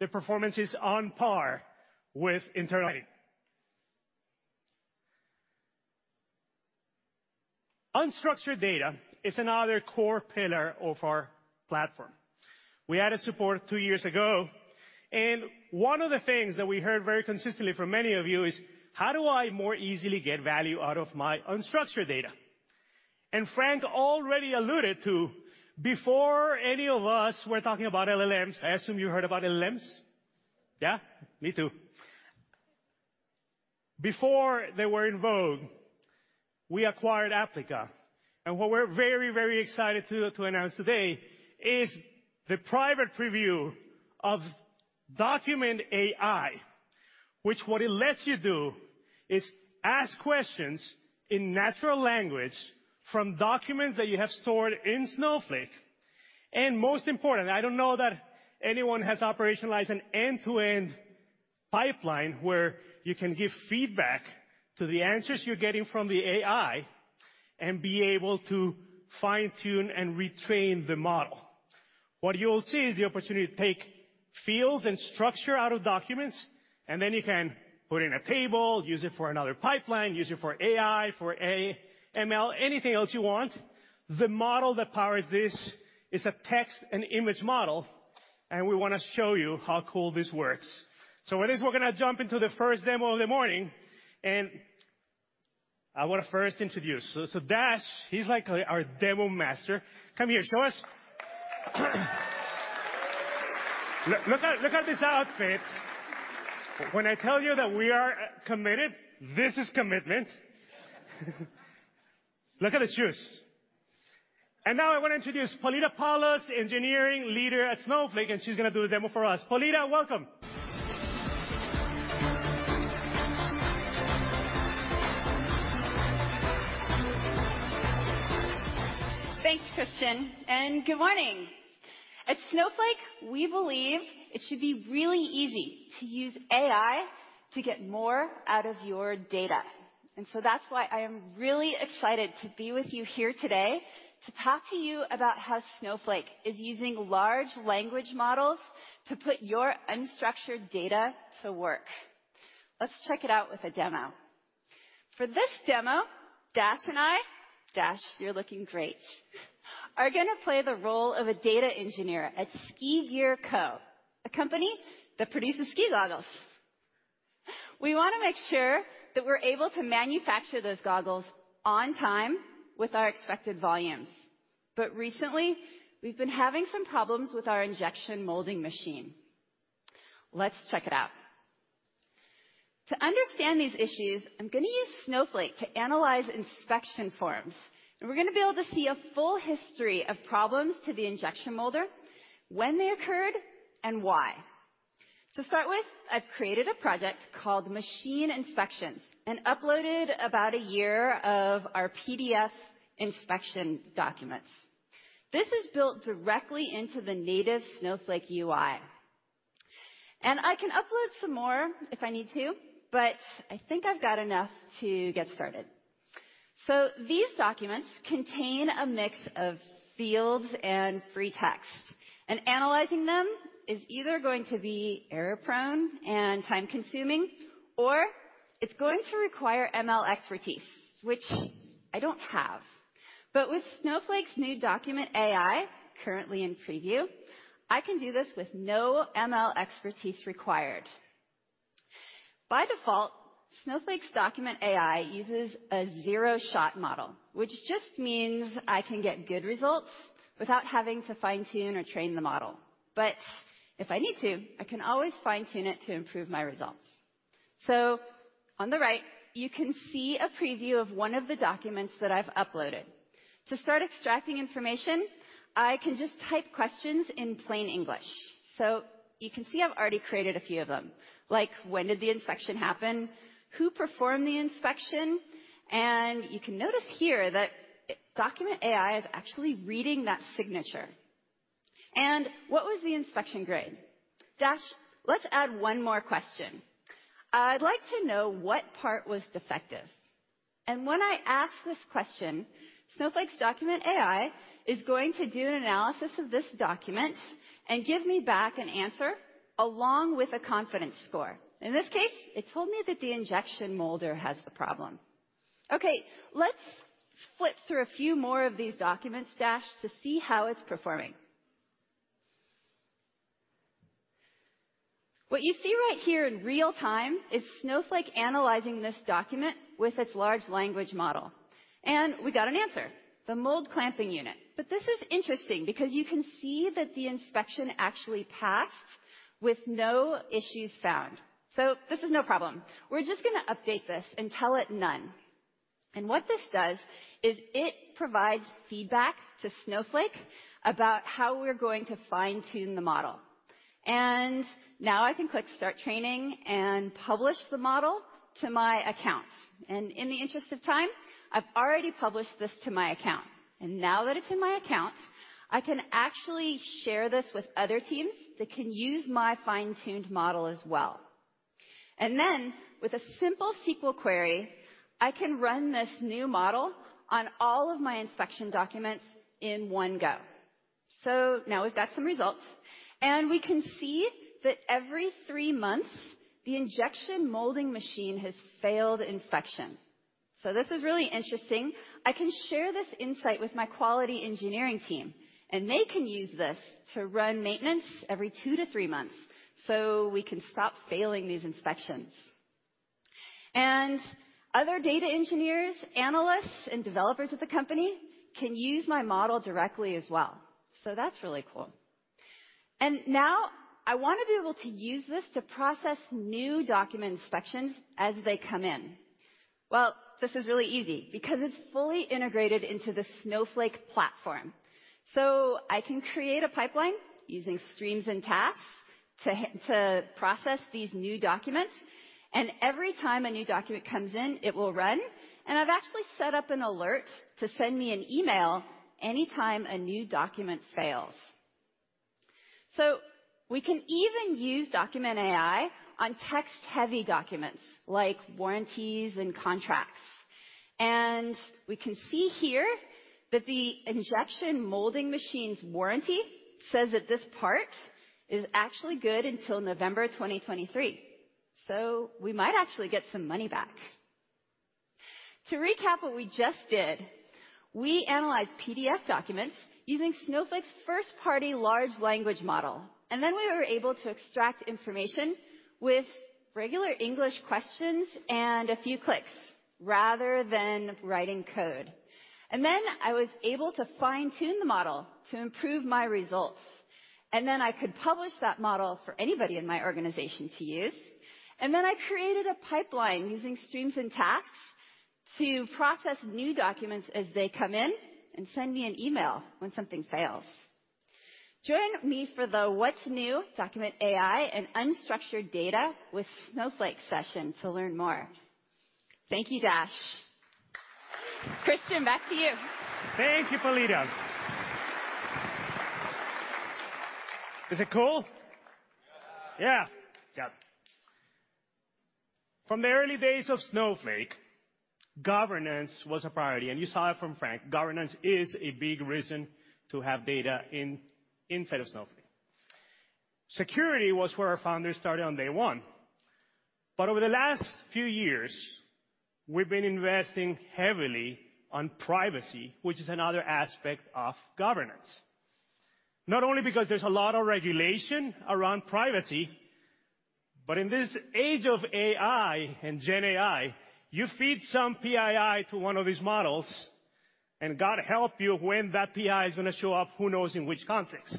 the performance is on par with internal. Unstructured data is another core pillar of our platform. We added support 2 years ago, and one of the things that we heard very consistently from many of you is: How do I more easily get value out of my unstructured data? Frank already alluded to, before any of us were talking about LLMs. I assume you heard about LLMs? Yeah, me too. Before they were in vogue, we acquired Applica, and what we're very, very excited to announce today is the private preview of Document AI, which what it lets you do is ask questions in natural language from documents that you have stored in Snowflake. Most important, I don't know that anyone has operationalized an end-to-end pipeline where you can give feedback to the answers you're getting from the AI and be able to fine-tune and retrain the model. What you will see is the opportunity to take fields and structure out of documents, and then you can put in a table, use it for another pipeline, use it for AI, for ML, anything else you want. The model that powers this is a text and image model, and we wanna show you how cool this works. With this, we're gonna jump into the first demo of the morning, and I wanna first introduce. Dash, he's like our demo master. Come here, show us. Look at this outfit. When I tell you that we are committed, this is commitment. Look at the shoes. Now I want to introduce Polita Paulus, engineering leader at Snowflake, and she's gonna do the demo for us. Polina, welcome. Thanks, Christian, and good morning. At Snowflake, we believe it should be really easy to use AI to get more out of your data. That's why I am really excited to be with you here today to talk to you about how Snowflake is using large language models to put your unstructured data to work. Let's check it out with a demo. For this demo, Dash and I, Dash, you're looking great, are gonna play the role of a data engineer at SkiGear Co, a company that produces ski goggles. We want to make sure that we're able to manufacture those goggles on time with our expected volumes. Recently, we've been having some problems with our injection molding machine. Let's check it out. To understand these issues, I'm gonna use Snowflake to analyze inspection forms, and we're gonna be able to see a full history of problems to the injection molder, when they occurred, and why. To start with, I've created a project called Machine Inspections and uploaded about a year of our PDF inspection documents. This is built directly into the native Snowflake UI. I can upload some more if I need to, but I think I've got enough to get started. These documents contain a mix of fields and free text, and analyzing them is either going to be error-prone and time-consuming, or it's going to require ML expertise, which I don't have. With Snowflake's new Document AI, currently in preview, I can do this with no ML expertise required. By default, Snowflake's Document AI uses a zero-shot model, which just means I can get good results without having to fine-tune or train the model. If I need to, I can always fine-tune it to improve my results. On the right, you can see a preview of one of the documents that I've uploaded. To start extracting information, I can just type questions in plain English. You can see I've already created a few of them, like, "When did the inspection happen? Who performed the inspection?" You can notice here that Document AI is actually reading that signature. What was the inspection grade? Dash, let's add one more question. I'd like to know what part was defective. When I ask this question, Snowflake's Document AI is going to do an analysis of this document and give me back an answer along with a confidence score. In this case, it told me that the injection molder has the problem. Okay, let's flip through a few more of these documents, Dash, to see how it's performing. What you see right here in real time is Snowflake analyzing this document with its large language model, and we got an answer: the mold clamping unit. This is interesting because you can see that the inspection actually passed with no issues found. This is no problem. We're just gonna update this and tell it, "None." What this does is it provides feedback to Snowflake about how we're going to fine-tune the model. Now I can click Start training, and publish the model to my account. In the interest of time, I've already published this to my account. Now that it's in my account, I can actually share this with other teams that can use my fine-tuned model as well. With a simple SQL query, I can run this new model on all of my inspection documents in one go. Now we've got some results, and we can see that every three months, the injection molding machine has failed inspection. This is really interesting. I can share this insight with my quality engineering team, and they can use this to run maintenance every two to three months, so we can stop failing these inspections. Other data engineers, analysts, and developers at the company can use my model directly as well. That's really cool. Now I want to be able to use this to process new document inspections as they come in. This is really easy because it's fully integrated into the Snowflake platform. I can create a pipeline using streams and tasks to process these new documents, and every time a new document comes in, it will run, and I've actually set up an alert to send me an email anytime a new document fails. We can even use Document AI on text-heavy documents, like warranties and contracts. We can see here that the injection molding machine's warranty says that this part is actually good until November 2023. We might actually get some money back. To recap what we just did, we analyzed PDF documents using Snowflake's first-party large language model, then we were able to extract information with regular English questions and a few clicks rather than writing code. I was able to fine-tune the model to improve my results, then I could publish that model for anybody in my organization to use. I created a pipeline using streams and tasks to process new documents as they come in and send me an email when something fails. Join me for the What's New, Document AI, and Unstructured Data with Snowflake session to learn more. Thank you, Dash. Christian, back to you. Thank you, Polina. Is it cool? Yeah. Yeah. Yeah. From the early days of Snowflake, governance was a priority, and you saw it from Frank. Governance is a big reason to have data inside of Snowflake. Security was where our founders started on day one. Over the last few years, we've been investing heavily on privacy, which is another aspect of governance. Not only because there's a lot of regulation around privacy, but in this age of AI and GenAI, you feed some PII to one of these models, and God help you when that PII is gonna show up, who knows in which context?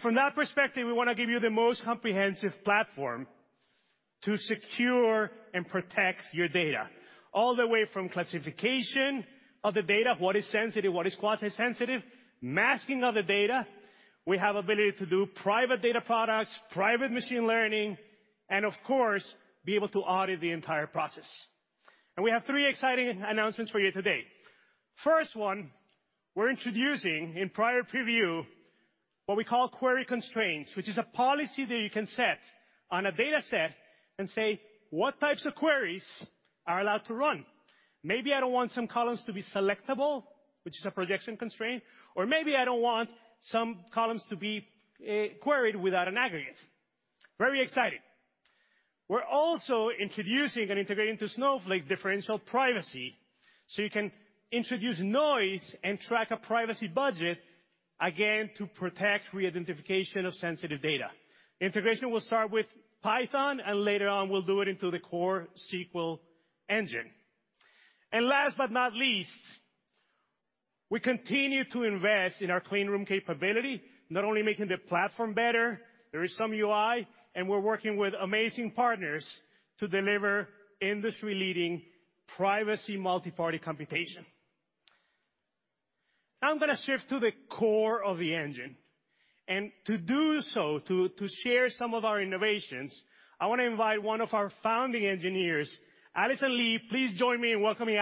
From that perspective, we wanna give you the most comprehensive platform to secure and protect your data, all the way from classification of the data, what is sensitive, what is quasi-sensitive, masking of the data. We have ability to do private data products, private machine learning, and of course, be able to audit the entire process. We have 3 exciting announcements for you today. First one, we're introducing in private preview, what we call query constraints, which is a policy that you can set on a data set and say, "What types of queries are allowed to run?" Maybe I don't want some columns to be selectable, which is a projection constraint, or maybe I don't want some columns to be queried without an aggregate. Very exciting. We're also introducing and integrating to Snowflake differential privacy, so you can introduce noise and track a privacy budget, again, to protect reidentification of sensitive data. Integration will start with Python, and later on, we'll do it into the core SQL engine. Last but not least, we continue to invest in our clean room capability, not only making the platform better, there is some UI, and we're working with amazing partners to deliver industry-leading privacy multiparty computation. Now I'm gonna shift to the core of the engine. To do so, to share some of our innovations, I wanna invite one of our founding engineers, Allison Lee. Please join me in welcoming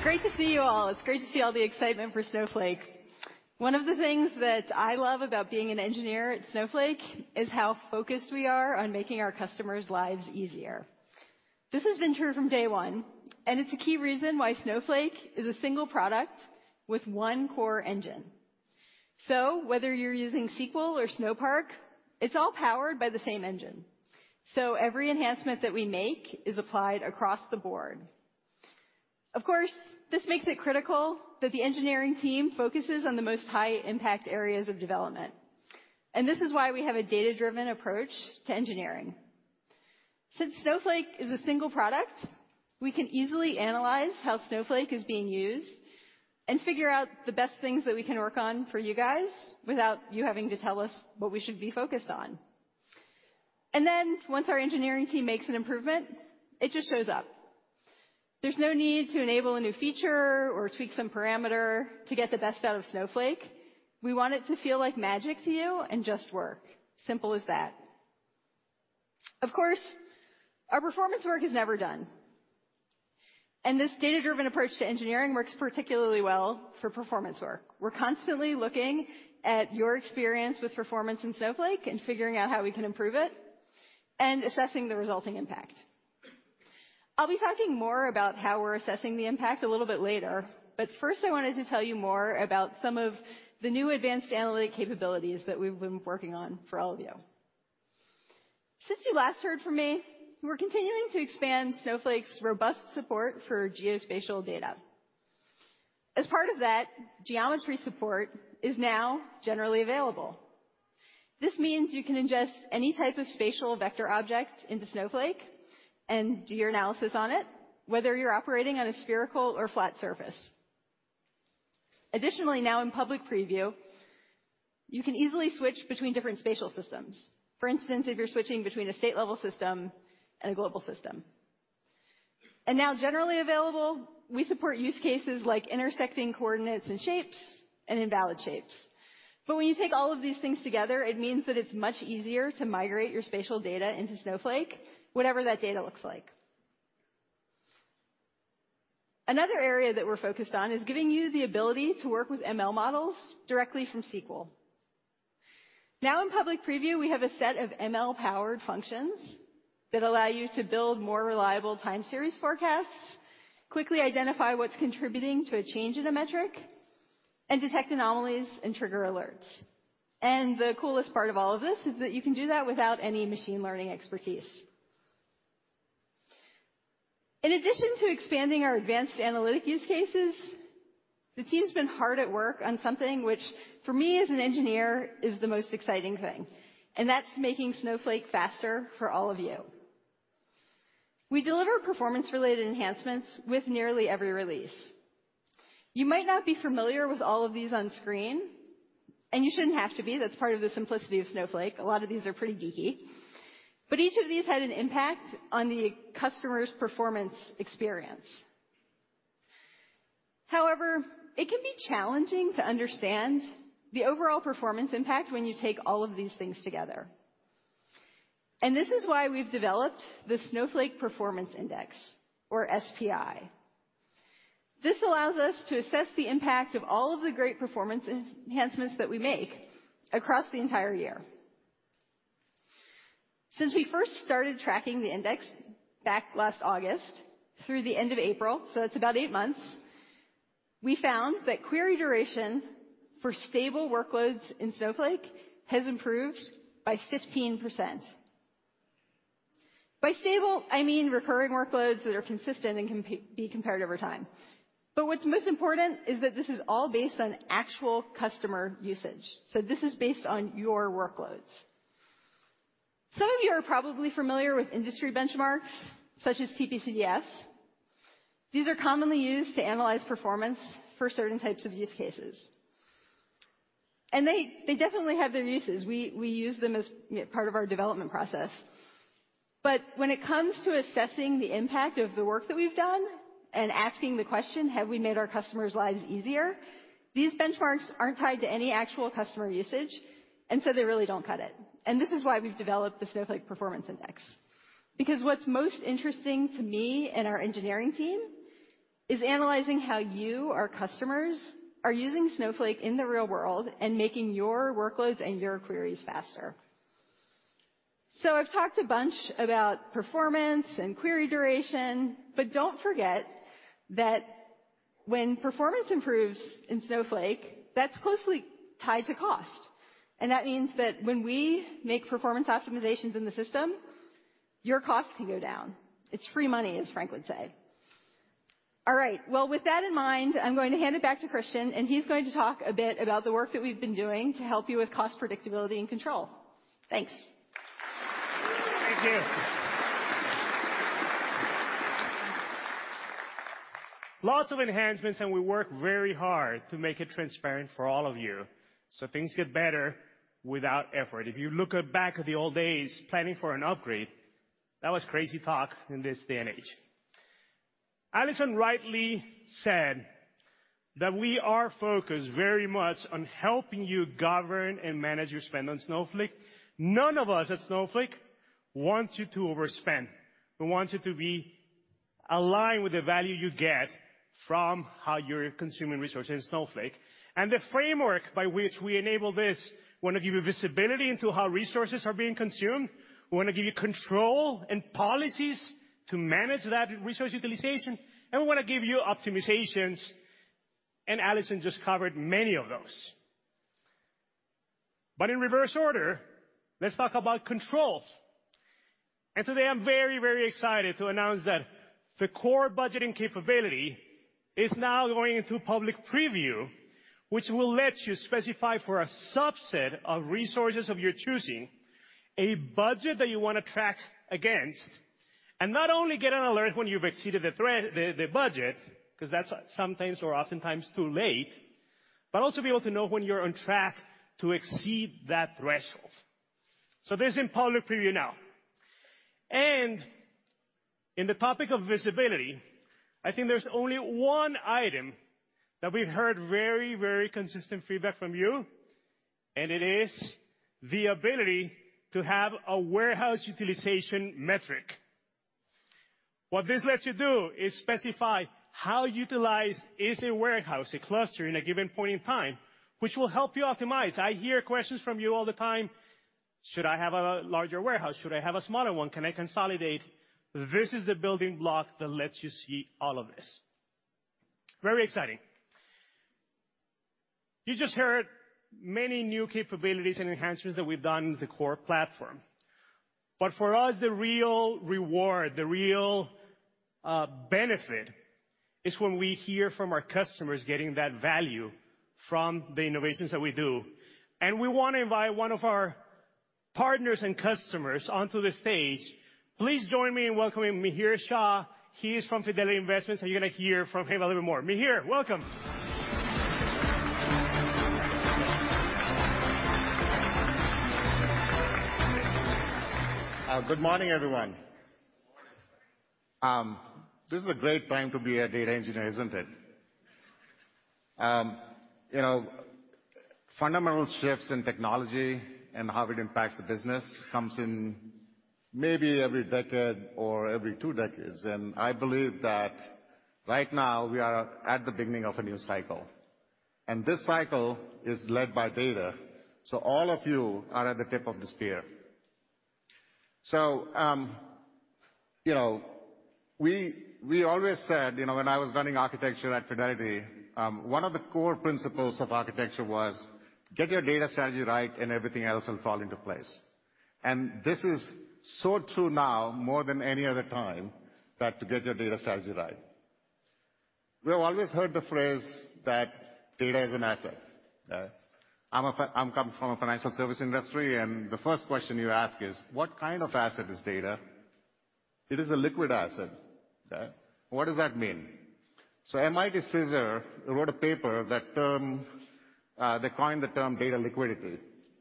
Allison. Allison? Good to see you all. It's great to see all the excitement for Snowflake. One of the things that I love about being an engineer at Snowflake is how focused we are on making our customers' lives easier. This has been true from day one, and it's a key reason why Snowflake is a single product with one core engine. Whether you're using SQL or Snowpark, it's all powered by the same engine, so every enhancement that we make is applied across the board. Of course, this makes it critical that the engineering team focuses on the most high-impact areas of development, and this is why we have a data-driven approach to engineering. Since Snowflake is a single product, we can easily analyze how Snowflake is being used and figure out the best things that we can work on for you guys, without you having to tell us what we should be focused on. Once our engineering team makes an improvement, it just shows up. There's no need to enable a new feature or tweak some parameter to get the best out of Snowflake. We want it to feel like magic to you and just work. Simple as that. Of course, our performance work is never done, and this data-driven approach to engineering works particularly well for performance work. We're constantly looking at your experience with performance in Snowflake and figuring out how we can improve it and assessing the resulting impact. I'll be talking more about how we're assessing the impact a little bit later, but first, I wanted to tell you more about some of the new advanced analytic capabilities that we've been working on for all of you. Since you last heard from me, we're continuing to expand Snowflake's robust support for geospatial data. As part of that, geometry support is now generally available. This means you can ingest any type of spatial vector object into Snowflake and do your analysis on it, whether you're operating on a spherical or flat surface. Additionally, now in public preview, you can easily switch between different spatial systems. For instance, if you're switching between a state-level system and a global system. Now generally available, we support use cases like intersecting coordinates and shapes and invalid shapes. When you take all of these things together, it means that it's much easier to migrate your spatial data into Snowflake, whatever that data looks like. Another area that we're focused on is giving you the ability to work with ML models directly from SQL. Now, in public preview, we have a set of ML-powered functions that allow you to build more reliable time series forecasts, quickly identify what's contributing to a change in a metric, and detect anomalies and trigger alerts. The coolest part of all of this is that you can do that without any machine learning expertise. In addition to expanding our advanced analytic use cases, the team's been hard at work on something, which, for me, as an engineer, is the most exciting thing, and that's making Snowflake faster for all of you. We deliver performance-related enhancements with nearly every release. You might not be familiar with all of these on screen, and you shouldn't have to be. That's part of the simplicity of Snowflake. A lot of these are pretty geeky, but each of these had an impact on the customer's performance experience. However, it can be challenging to understand the overall performance impact when you take all of these things together. This is why we've developed the Snowflake Performance Index, or SPI. This allows us to assess the impact of all of the great performance enhancements that we make across the entire year. Since we first started tracking the index back last August through the end of April, so that's about 8 months, we found that query duration for stable workloads in Snowflake has improved by 15%. By stable, I mean recurring workloads that are consistent and can be compared over time. What's most important is that this is all based on actual customer usage, so this is based on your workloads. Some of you are probably familiar with industry benchmarks, such as TPC-DS. These are commonly used to analyze performance for certain types of use cases, and they definitely have their uses. We use them as part of our development process. When it comes to assessing the impact of the work that we've done and asking the question, "Have we made our customers' lives easier?" These benchmarks aren't tied to any actual customer usage, and so they really don't cut it. This is why we've developed the Snowflake Performance Index. What's most interesting to me and our engineering team is analyzing how you, our customers, are using Snowflake in the real world and making your workloads and your queries faster. I've talked a bunch about performance and query duration, but don't forget that when performance improves in Snowflake, that's closely tied to cost. That means that when we make performance optimizations in the system, your costs can go down. It's free money, as Frank would say. All right, well, with that in mind, I'm going to hand it back to Christian, and he's going to talk a bit about the work that we've been doing to help you with cost predictability and control. Thanks. Thank you. Lots of enhancements, and we work very hard to make it transparent for all of you, so things get better without effort. If you look at back at the old days, planning for an upgrade, that was crazy talk in this day and age. Allison rightly said that we are focused very much on helping you govern and manage your spend on Snowflake. None of us at Snowflake want you to overspend. We want you to be aligned with the value you get from how you're consuming resources in Snowflake, and the framework by which we enable this, we want to give you visibility into how resources are being consumed. We want to give you control and policies to manage that resource utilization, and we want to give you optimizations, and Allison just covered many of those. In reverse order, let's talk about controls. Today, I'm very, very excited to announce that the core budgeting capability is now going into public preview, which will let you specify for a subset of resources of your choosing, a budget that you wanna track against, and not only get an alert when you've exceeded the budget, 'cause that's sometimes or oftentimes too late, but also be able to know when you're on track to exceed that threshold. This is in public preview now. In the topic of visibility, I think there's only one item that we've heard very, very consistent feedback from you, and it is the ability to have a warehouse utilization metric. What this lets you do is specify how utilized is a warehouse, a cluster, in a given point in time, which will help you optimize. I hear questions from you all the time: "Should I have a larger warehouse? Should I have a smaller one? Can I consolidate?" This is the building block that lets you see all of this. Very exciting. You just heard many new capabilities and enhancements that we've done with the core platform. For us, the real reward, the real benefit, is when we hear from our customers getting that value from the innovations that we do. We want to invite one of our partners and customers onto the stage. Please join me in welcoming Mihir Shah. He is from Fidelity Investments, and you're gonna hear from him a little more. Mihir, welcome. Good morning, everyone. Good morning. This is a great time to be a data engineer, isn't it? You know, fundamental shifts in technology and how it impacts the business, comes in maybe every decade or every two decades. I believe that right now we are at the beginning of a new cycle. This cycle is led by data, so all of you are at the tip of the spear. You know, we always said, you know, when I was running architecture at Fidelity, one of the core principles of architecture was: get your data strategy right, and everything else will fall into place. This is so true now, more than any other time, that to get your data strategy right. We have always heard the phrase that data is an asset, I'm coming from a financial service industry, and the first question you ask is: What kind of asset is data? It is a liquid asset. What does that mean? MIT CISR wrote a paper that term, they coined the term data liquidity,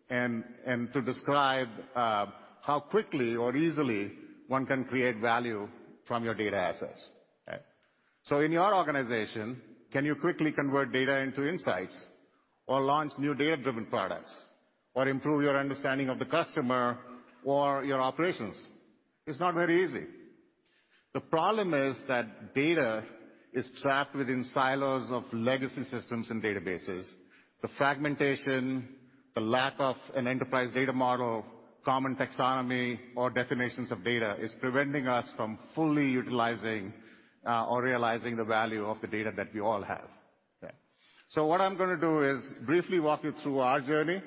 and to describe how quickly or easily one can create value from your data assets. In your organization, can you quickly convert data into insights, or launch new data-driven products, or improve your understanding of the customer or your operations? It's not very easy. The problem is that data is trapped within silos of legacy systems and databases. The fragmentation, the lack of an enterprise data model, common taxonomy, or definitions of data, is preventing us from fully utilizing or realizing the value of the data that we all have. What I'm gonna do is briefly walk you through our journey,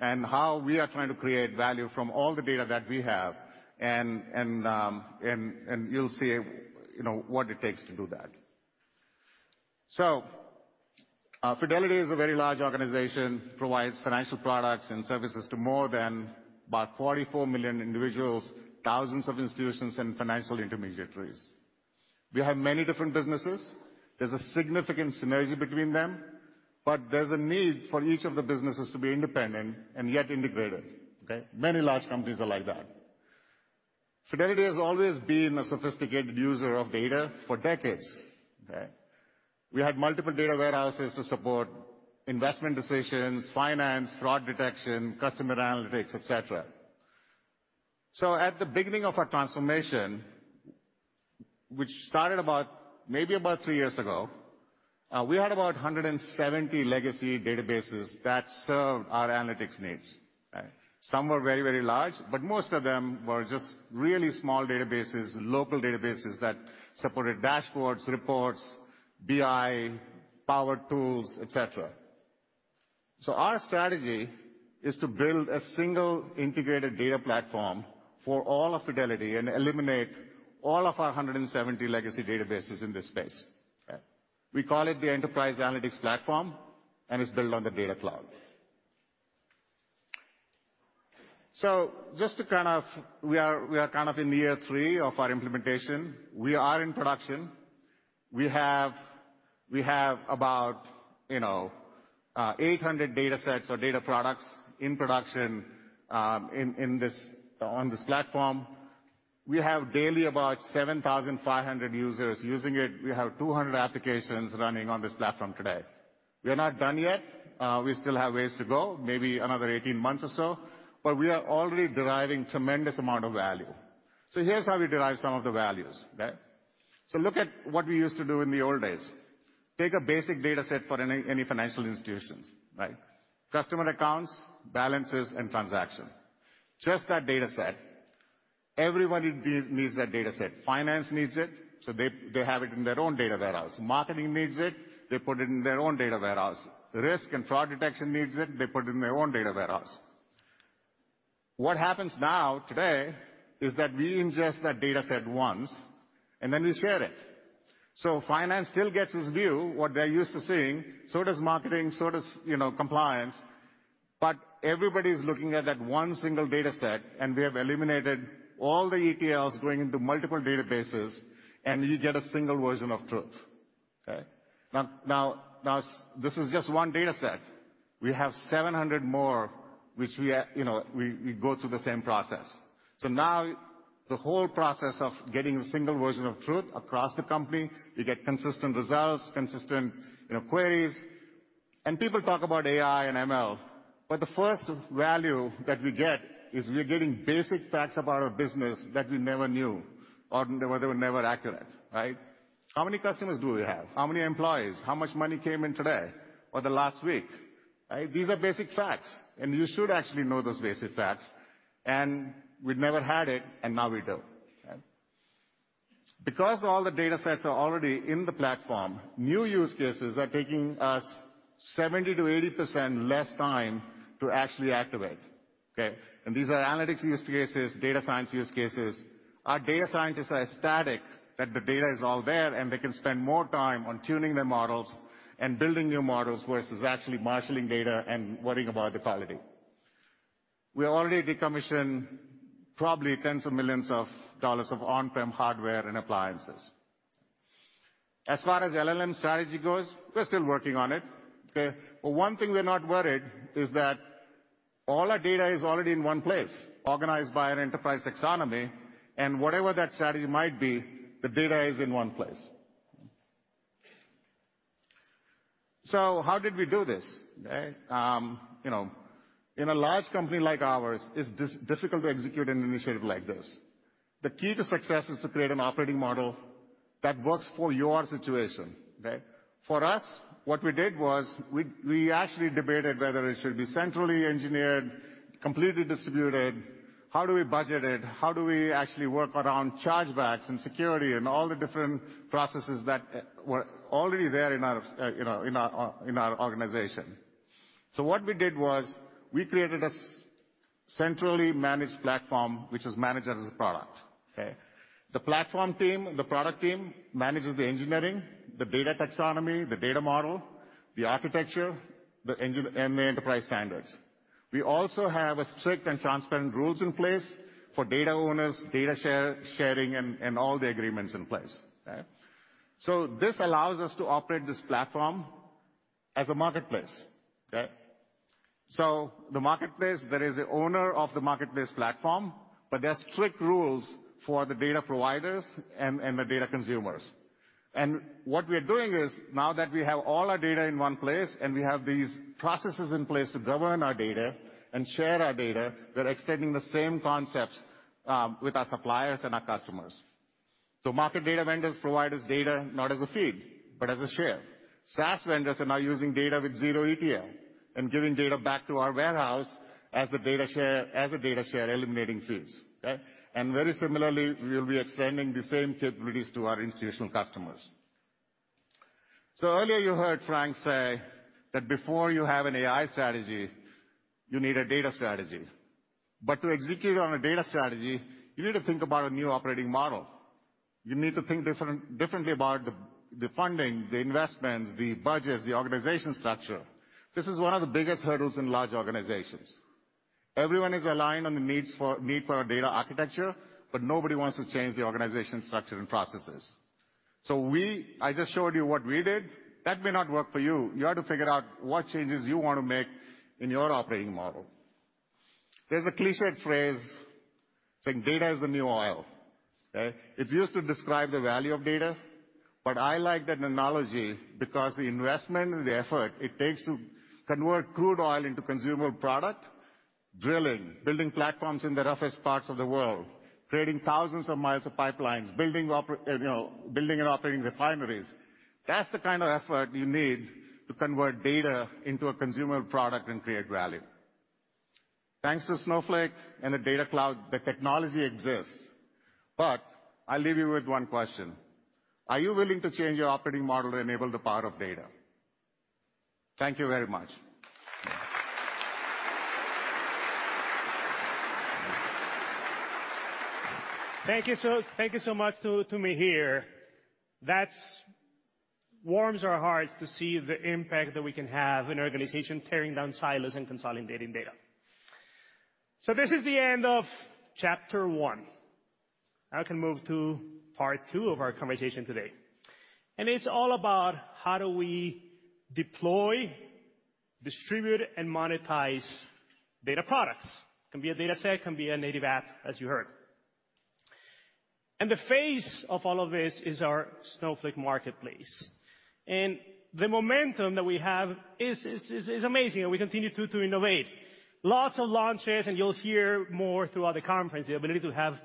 and how we are trying to create value from all the data that we have, and, and you'll see, you know, what it takes to do that. Fidelity is a very large organization, provides financial products and services to more than about 44 million individuals, thousands of institutions, and financial intermediaries. We have many different businesses. There's a significant synergy between them, but there's a need for each of the businesses to be independent and yet integrated, okay? Many large companies are like that. Fidelity has always been a sophisticated user of data for decades. Okay? We had multiple data warehouses to support investment decisions, finance, fraud detection, customer analytics, et cetera. At the beginning of our transformation, which started about, maybe about three years ago, we had about 170 legacy databases that served our analytics needs. Some were very, very large, but most of them were just really small databases, local databases that supported dashboards, reports, BI, power tools, et cetera. Our strategy is to build a single integrated data platform for all of Fidelity and eliminate all of our 170 legacy databases in this space. We call it the Enterprise Analytics Platform, and it's built on the Data Cloud. Just to kind of, we are kind of in year 3 of our implementation. We are in production. We have about, you know, 800 data sets or data products in production in this, on this platform. We have daily about 7,500 users using it. We have 200 applications running on this platform today. We are not done yet, we still have ways to go, maybe another 18 months or so, but we are already deriving tremendous amount of value. Here's how we derive some of the values, okay? Look at what we used to do in the old days. Take a basic data set for any financial institutions, right? Customer accounts, balances, and transaction. Just that data set. Everybody needs that data set. Finance needs it, so they have it in their own data warehouse. Marketing needs it, they put it in their own data warehouse. Risk and fraud detection needs it, they put it in their own data warehouse. What happens now, today, is that we ingest that data set once, and then we share it. Finance still gets its view, what they're used to seeing, so does marketing, so does, you know, compliance, but everybody's looking at that one single data set, and we have eliminated all the ETLs going into multiple databases, and you get a single version of truth. Okay? Now this is just one data set. We have 700 more. You know, we go through the same process. Now, the whole process of getting a single version of truth across the company, you get consistent results, consistent, you know, queries. People talk about AI and ML, but the first value that we get is we are getting basic facts about our business that we never knew or they were never accurate, right? How many customers do we have? How many employees? How much money came in today or the last week, right? These are basic facts, and you should actually know those basic facts. We'd never had it, and now we do. Because all the data sets are already in the platform, new use cases are taking us 70% to 80% less time to actually activate, okay? These are analytics use cases, data science use cases. Our data scientists are ecstatic that the data is all there, and they can spend more time on tuning their models and building new models, versus actually marshaling data and worrying about the quality. We already decommissioned probably tens of millions of dollars of on-prem hardware and appliances. As far as LLM strategy goes, we're still working on it, okay? One thing we're not worried is that all our data is already in one place, organized by an enterprise taxonomy, and whatever that strategy might be, the data is in one place. How did we do this? you know, in a large company like ours, it's difficult to execute an initiative like this. The key to success is to create an operating model that works for your situation, okay? For us, what we did was we actually debated whether it should be centrally engineered, completely distributed, how do we budget it, how do we actually work around chargebacks and security, and all the different processes that were already there in our, you know, in our organization. What we did was we created a centrally managed platform, which is managed as a product, okay? The platform team, the product team, manages the engineering, the data taxonomy, the data model, the architecture, the engine, and the enterprise standards. We also have a strict and transparent rules in place for data owners, data sharing, and all the agreements in place, okay? This allows us to operate this platform as a marketplace, okay? The marketplace, there is the owner of the marketplace platform, but there are strict rules for the data providers and the data consumers. What we are doing is, now that we have all our data in one place, and we have these processes in place to govern our data and share our data, we're extending the same concepts with our suppliers and our customers. Market data vendors provide us data, not as a feed, but as a share. SaaS vendors are now using data with zero ETL and giving data back to our warehouse as a data share, eliminating fees, okay? Very similarly, we will be extending the same capabilities to our institutional customers. Earlier you heard Frank say that before you have an AI strategy, you need a data strategy. To execute on a data strategy, you need to think about a new operating model. You need to think differently about the funding, the investments, the budgets, the organization structure. This is one of the biggest hurdles in large organizations. Everyone is aligned on the need for a data architecture, but nobody wants to change the organization structure and processes. I just showed you what we did. That may not work for you. You have to figure out what changes you want to make in your operating model. There's a clichéd phrase, saying, "Data is the new oil." Okay? It's used to describe the value of data, but I like that analogy because the investment and the effort it takes to convert crude oil into consumable product, drilling, building platforms in the roughest parts of the world, creating thousands of miles of pipelines, building. You know, building and operating refineries, that's the kind of effort you need to convert data into a consumer product and create value. Thanks to Snowflake and the Data Cloud, the technology exists, but I'll leave you with one question: Are you willing to change your operating model to enable the power of data? Thank you very much. Thank you so much to Mihir. That's warms our hearts to see the impact that we can have in our organization, tearing down silos and consolidating data. This is the end of chapter 1. Now we can move to part 2 of our conversation today, and it's all about how do we deploy, distribute and monetize data products. Can be a data set, can be a native app, as you heard. The face of all of this is our Snowflake Marketplace, and the momentum that we have is amazing, and we continue to innovate. Lots of launches, and you'll hear more throughout the conference, the ability to have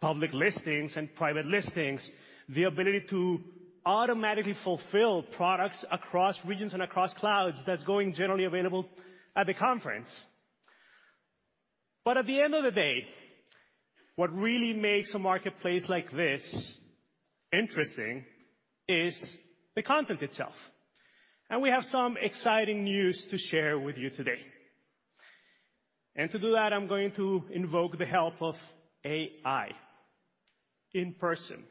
public listings and private listings, the ability to automatically fulfill products across regions and across clouds. That's going generally available at the conference. At the end of the day, what really makes a marketplace like this interesting is the content itself, and we have some exciting news to share with you today. To do that, I'm going to invoke the help of AI, in person.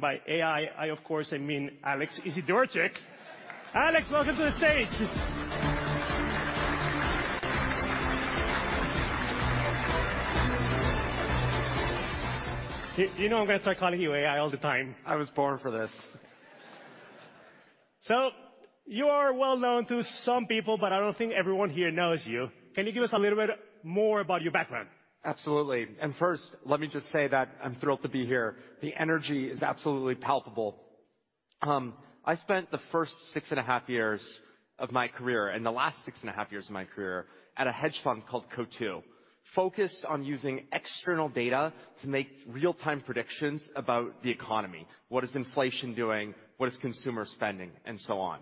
By AI, I, of course, I mean Alex Izydorczyk. Alex, welcome to the stage. You know I'm gonna start calling you AI all the time. I was born for this. You are well known to some people, but I don't think everyone here knows you. Can you give us a little bit more about your background? Absolutely. First, let me just say that I'm thrilled to be here. The energy is absolutely palpable. I spent the first six and a half years of my career, and the last six and a half years of my career, at a hedge fund called Coatue, focused on using external data to make real-time predictions about the economy. What is inflation doing, what is consumer spending, and so on.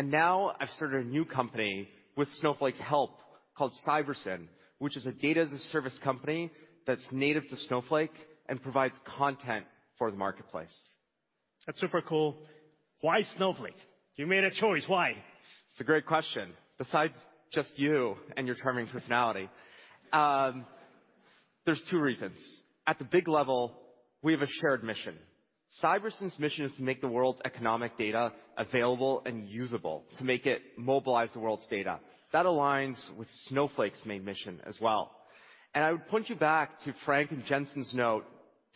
Now I've started a new company with Snowflake's help, called Cybersyn, which is a Data-as-a-Service company that's native to Snowflake and provides content for the marketplace. That's super cool. Why Snowflake? You made a choice. Why? It's a great question. Besides just you and your charming personality, there's two reasons. At the big level, we have a shared mission. Cybersyn's mission is to make the world's economic data available and usable, to make it mobilize the world's data. That aligns with Snowflake's main mission as well. I would point you back to Frank and Jensen's note,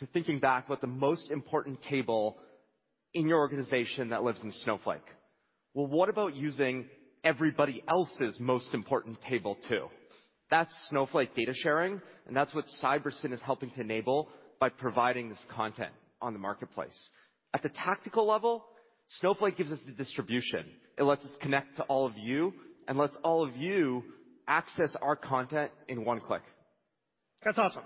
to thinking back what the most important table in your organization that lives in Snowflake. Well, what about using everybody else's most important table, too? That's Snowflake data sharing, and that's what Cybersyn is helping to enable by providing this content on the Snowflake Marketplace. At the tactical level, Snowflake gives us the distribution. It lets us connect to all of you and lets all of you access our content in one click. That's awesome.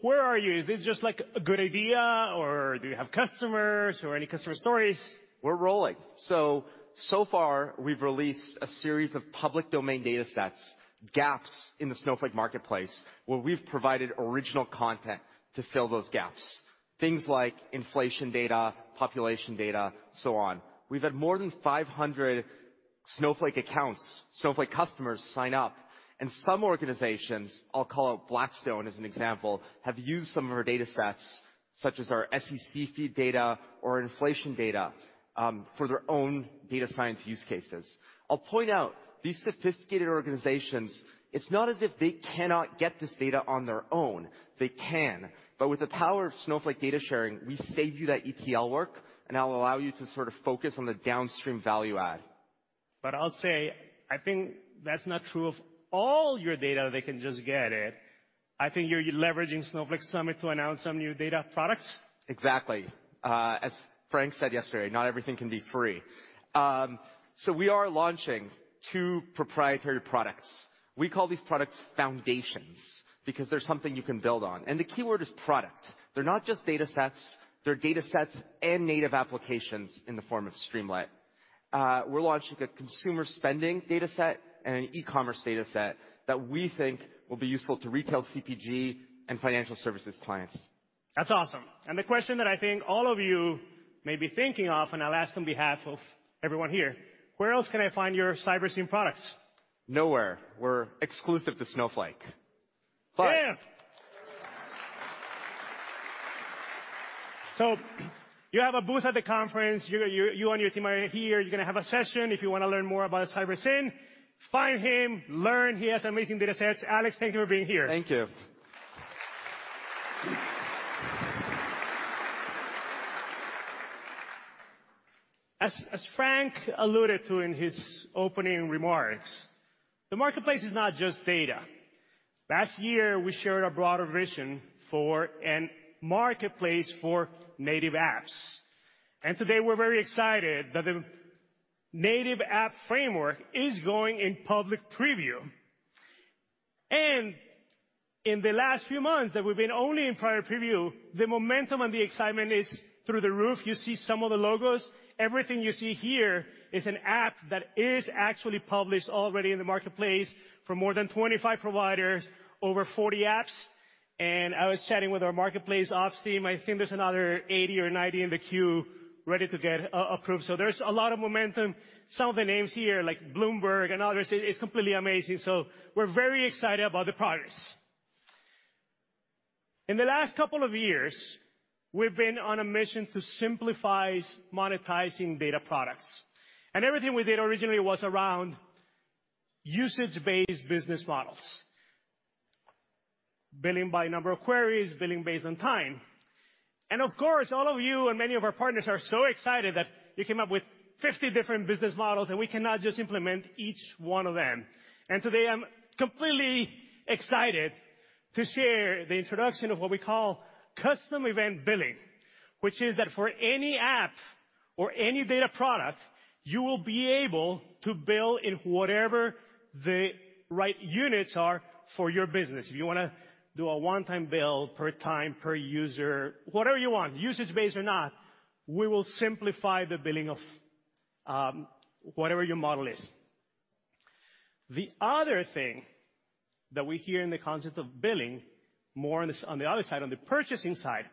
Where are you? Is this just, like, a good idea, or do you have customers or any customer stories? We're rolling. So far, we've released a series of public domain datasets, gaps in the Snowflake Marketplace, where we've provided original content to fill those gaps. Things like inflation data, population data, so on. We've had more than 500 Snowflake accounts, Snowflake customers sign up, and some organizations, I'll call out Blackstone as an example, have used some of our datasets, such as our SEC feed data or inflation data, for their own data science use cases. I'll point out, these sophisticated organizations, it's not as if they cannot get this data on their own. They can, but with the power of Snowflake data sharing, we save you that ETL work, and that will allow you to sort of focus on the downstream value add. I'll say, I think that's not true of all your data, they can just get it. I think you're leveraging Snowflake Summit to announce some new data products? Exactly. As Frank said yesterday, not everything can be free. We are launching two proprietary products. We call these products foundations, because they're something you can build on, and the keyword is product. They're not just datasets, they're datasets and native applications in the form of Streamlit. We're launching a consumer spending dataset and an e-commerce dataset that we think will be useful to retail CPG and financial services clients. That's awesome. The question that I think all of you may be thinking of, and I'll ask on behalf of everyone here: Where else can I find your Cybersyn products? Nowhere. We're exclusive to Snowflake. Yeah! You have a booth at the conference. You and your team are here. You're going to have a session. If you want to learn more about Cybersyn, find him, learn. He has amazing data sets. Alex, thank you for being here. Thank you. As Frank alluded to in his opening remarks, the marketplace is not just data. Last year, we shared our broader vision for a marketplace for native apps. Today we're very excited that the Native App Framework is going in public preview. In the last few months, that we've been only in private preview, the momentum and the excitement is through the roof. You see some of the logos. Everything you see here is an app that is actually published already in the marketplace for more than 25 providers, over 40 apps. I was chatting with our marketplace ops team, I think there's another 80 or 90 in the queue ready to get approved. There's a lot of momentum. Some of the names here, like Bloomberg and others, it's completely amazing. We're very excited about the progress. In the last couple of years, we've been on a mission to simplify monetizing data products. Everything we did originally was around usage-based business models: billing by number of queries, billing based on time. Of course, all of you and many of our partners are so excited that you came up with 50 different business models, and we cannot just implement each one of them. Today, I'm completely excited to share the introduction of what we call Custom Event Billing, which is that for any app or any data product, you will be able to bill in whatever the right units are for your business. If you wanna do a one-time bill, per time, per user, whatever you want, usage-based or not, we will simplify the billing of whatever your model is. The other thing that we hear in the concept of billing, more on the other side, on the purchasing side,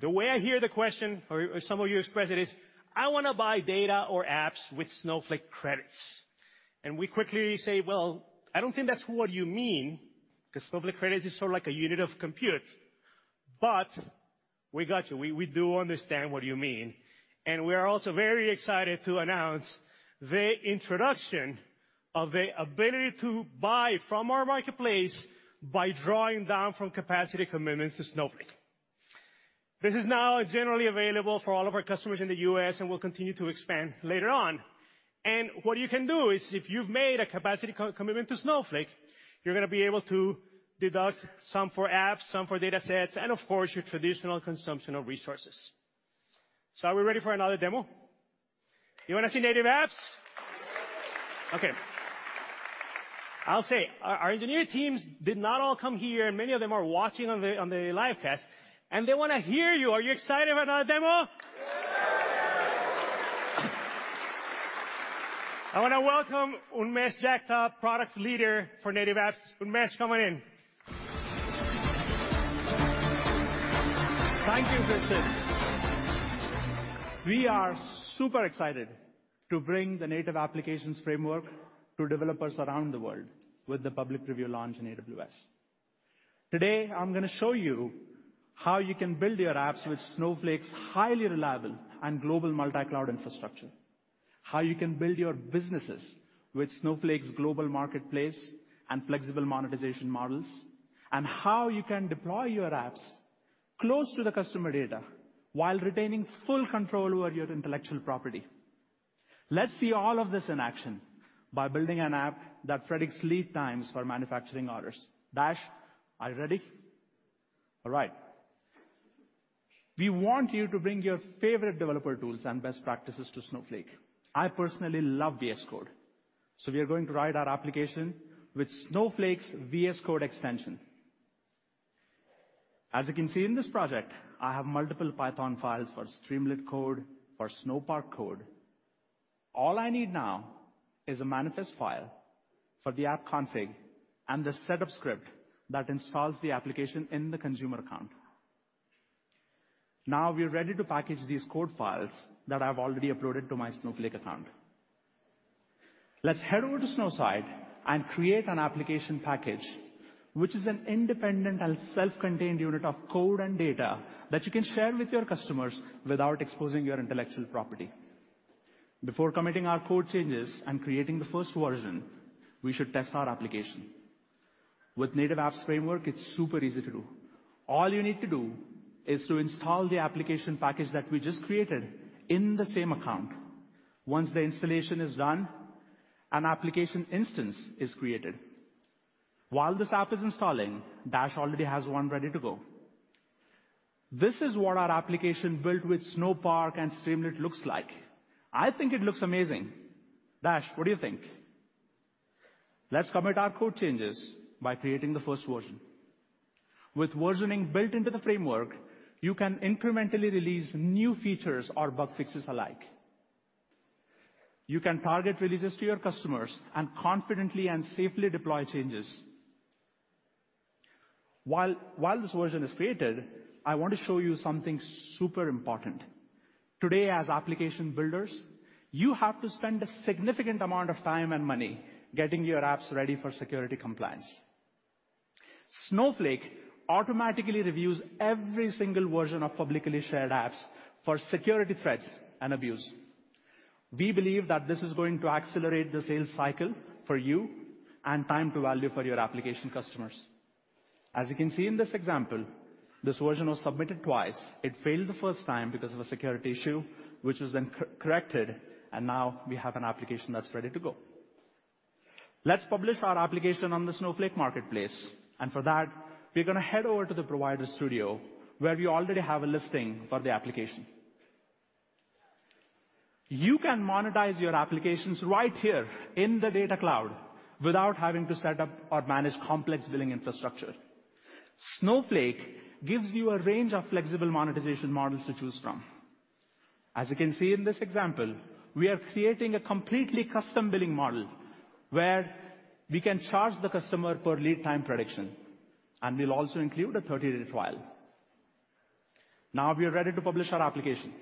the way I hear the question or some of you express it, is, "I wanna buy data or apps with Snowflake credits." We quickly say, "Well, I don't think that's what you mean, because Snowflake credits is sort of like a unit of compute." We got you. We do understand what you mean. We are also very excited to announce the introduction of the ability to buy from our marketplace by drawing down from capacity commitments to Snowflake. This is now generally available for all of our customers in the U.S., and we'll continue to expand later on. What you can do is if you've made a capacity co- commitment to Snowflake, you're gonna be able to deduct some for apps, some for datasets, and of course, your traditional consumption of resources. Are we ready for another demo? You wanna see Native Apps? Okay. I'll say, our engineering teams did not all come here, and many of them are watching on the live cast, and they wanna hear you. Are you excited for another demo? I wanna welcome Unmesh Jagtap, product leader for Native Apps. Unmesh, come on in. Thank you, Christian. We are super excited to bring the Native App Framework to developers around the world, with the public preview launch in AWS. Today, I'm gonna show you how you can build your apps with Snowflake's highly reliable and global multi-cloud infrastructure, how you can build your businesses with Snowflake's global marketplace and flexible monetization models, and how you can deploy your apps close to the customer data while retaining full control over your intellectual property. Let's see all of this in action by building an app that predicts lead times for manufacturing orders. Dash, are you ready? All right. We want you to bring your favorite developer tools and best practices to Snowflake. I personally love VS Code, so we are going to write our application with Snowflake's VS Code extension. As you can see in this project, I have multiple Python files for Streamlit code, for Snowpark code. All I need now is a manifest file for the app config and the setup script that installs the application in the consumer account. Now, we are ready to package these code files that I've already uploaded to my Snowflake account. Let's head over to Snowsight and create an application package, which is an independent and self-contained unit of code and data that you can share with your customers without exposing your intellectual property. Before committing our code changes and creating the first version, we should test our application. With Native App Framework, it's super easy to do. All you need to do is to install the application package that we just created in the same account. Once the installation is done, an application instance is created. While this app is installing, Dash already has one ready to go. This is what our application built with Snowpark and Streamlit looks like. I think it looks amazing. Dash, what do you think? Let's commit our code changes by creating the first version. With versioning built into the framework, you can incrementally release new features or bug fixes alike. You can target releases to your customers and confidently and safely deploy changes. While this version is created, I want to show you something super important. Today, as application builders, you have to spend a significant amount of time and money getting your apps ready for security compliance. Snowflake automatically reviews every single version of publicly shared apps for security threats and abuse. We believe that this is going to accelerate the sales cycle for you and time to value for your application customers. As you can see in this example, this version was submitted twice. It failed the first time because of a security issue, which was then corrected, and now we have an application that's ready to go. Let's publish our application on the Snowflake Marketplace. For that, we're gonna head over to the Provider Studio, where we already have a listing for the application. You can monetize your applications right here in the Data Cloud without having to set up or manage complex billing infrastructure. Snowflake gives you a range of flexible monetization models to choose from. As you can see in this example, we are creating a completely custom billing model, where we can charge the customer per lead time prediction, and we'll also include a 30-day trial. Now we are ready to publish our application.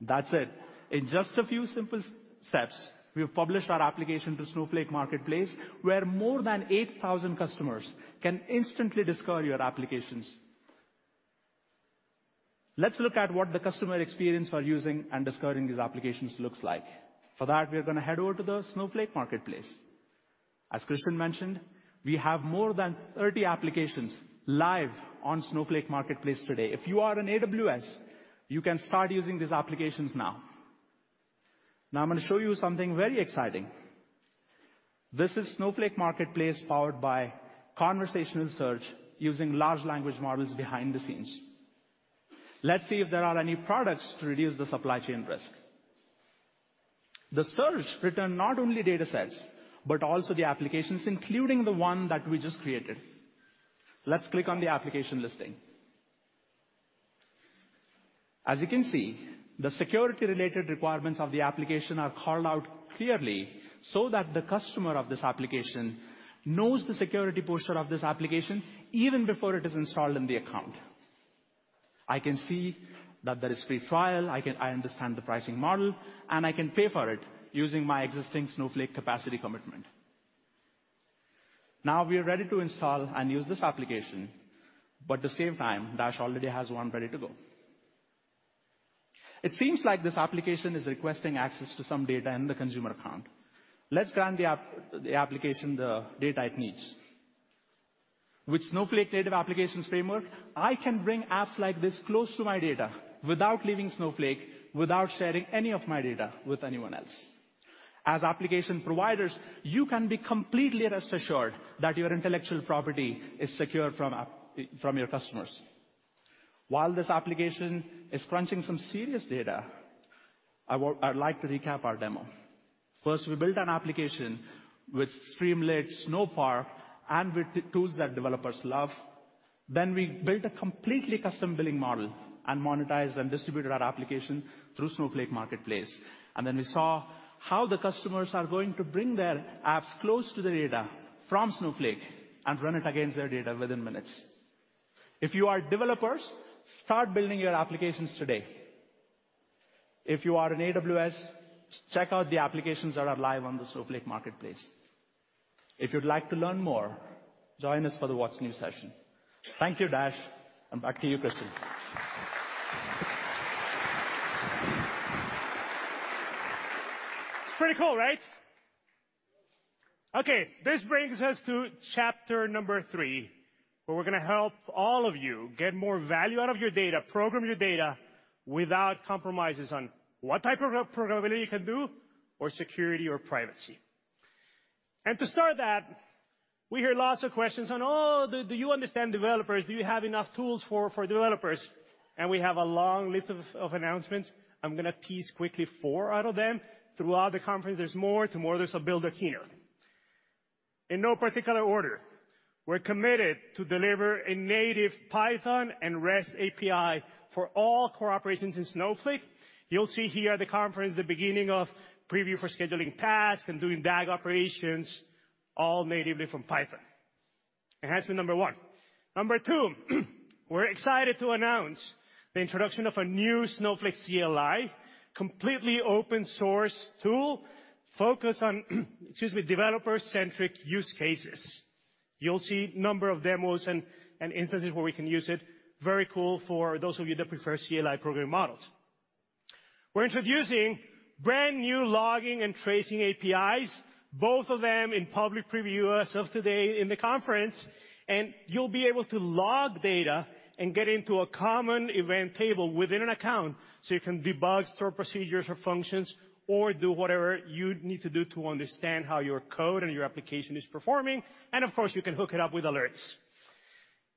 That's it. In just a few simple steps, we've published our application to Snowflake Marketplace, where more than 8,000 customers can instantly discover your applications.... Let's look at what the customer experience for using and discovering these applications looks like. For that, we are going to head over to the Snowflake Marketplace. As Christian mentioned, we have more than 30 applications live on Snowflake Marketplace today. If you are an AWS, you can start using these applications now. Now I'm going to show you something very exciting. This is Snowflake Marketplace, powered by conversational search, using large language models behind the scenes. Let's see if there are any products to reduce the supply chain risk. The search returned not only data sets, but also the applications, including the one that we just created. Let's click on the application listing. As you can see, the security-related requirements of the application are called out clearly so that the customer of this application knows the security posture of this application even before it is installed in the account. I can see that there is free trial, I understand the pricing model, I can pay for it using my existing Snowflake capacity commitment. We are ready to install and use this application. At the same time, Dash already has one ready to go. It seems like this application is requesting access to some data in the consumer account. Let's grant the application the data it needs. With Snowflake Native App Framework, I can bring apps like this close to my data without leaving Snowflake, without sharing any of my data with anyone else. As application providers, you can be completely rest assured that your intellectual property is secure from app, from your customers. While this application is crunching some serious data, I would like to recap our demo. First, we built an application with Streamlit Snowpark and with the tools that developers love. We built a completely custom billing model and monetized and distributed our application through Snowflake Marketplace. We saw how the customers are going to bring their apps close to the data from Snowflake and run it against their data within minutes. If you are developers, start building your applications today. If you are an AWS, check out the applications that are live on the Snowflake Marketplace. If you'd like to learn more, join us for the What's New session. Thank you, Dash, and back to you, Christian. It's pretty cool, right? This brings us to chapter three, where we're going to help all of you get more value out of your data, program your data, without compromises on what type of programmability you can do, or security, or privacy. To start that, we hear lots of questions on, "Oh, do you understand developers? Do you have enough tools for developers?" We have a long list of announcements. I'm going to tease quickly four out of them. Throughout the conference, there's more. Tomorrow, there's a builder keynote. In no particular order, we're committed to deliver a native Python and REST API for all core operations in Snowflake. You'll see here at the conference, the beginning of preview for scheduling tasks and doing DAG operations, all natively from Python. Enhancement one. Number two, we're excited to announce the introduction of a new Snowflake CLI, completely open-source tool, focused on, excuse me, developer-centric use cases. You'll see a number of demos and instances where we can use it. Very cool for those of you that prefer CLI program models. We're introducing brand new logging and tracing APIs, both of them in public preview as of today in the conference, and you'll be able to log data and get into a common event table within an account, so you can debug stored procedures or functions, or do whatever you'd need to do to understand how your code and your application is performing. Of course, you can hook it up with alerts.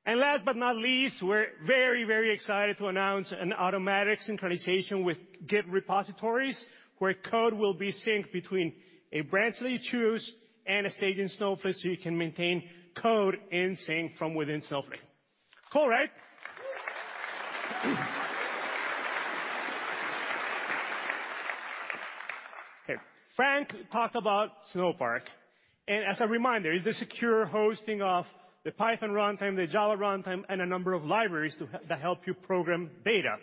Last but not least, we're very, very excited to announce an automatic synchronization with Git repositories, where code will be synced between a branch that you choose and a stage in Snowflake, so you can maintain code in sync from within Snowflake. Cool, right? Okay. Frank talked about Snowpark, and as a reminder, it's the secure hosting of the Python runtime, the Java runtime, and a number of libraries that help you program data.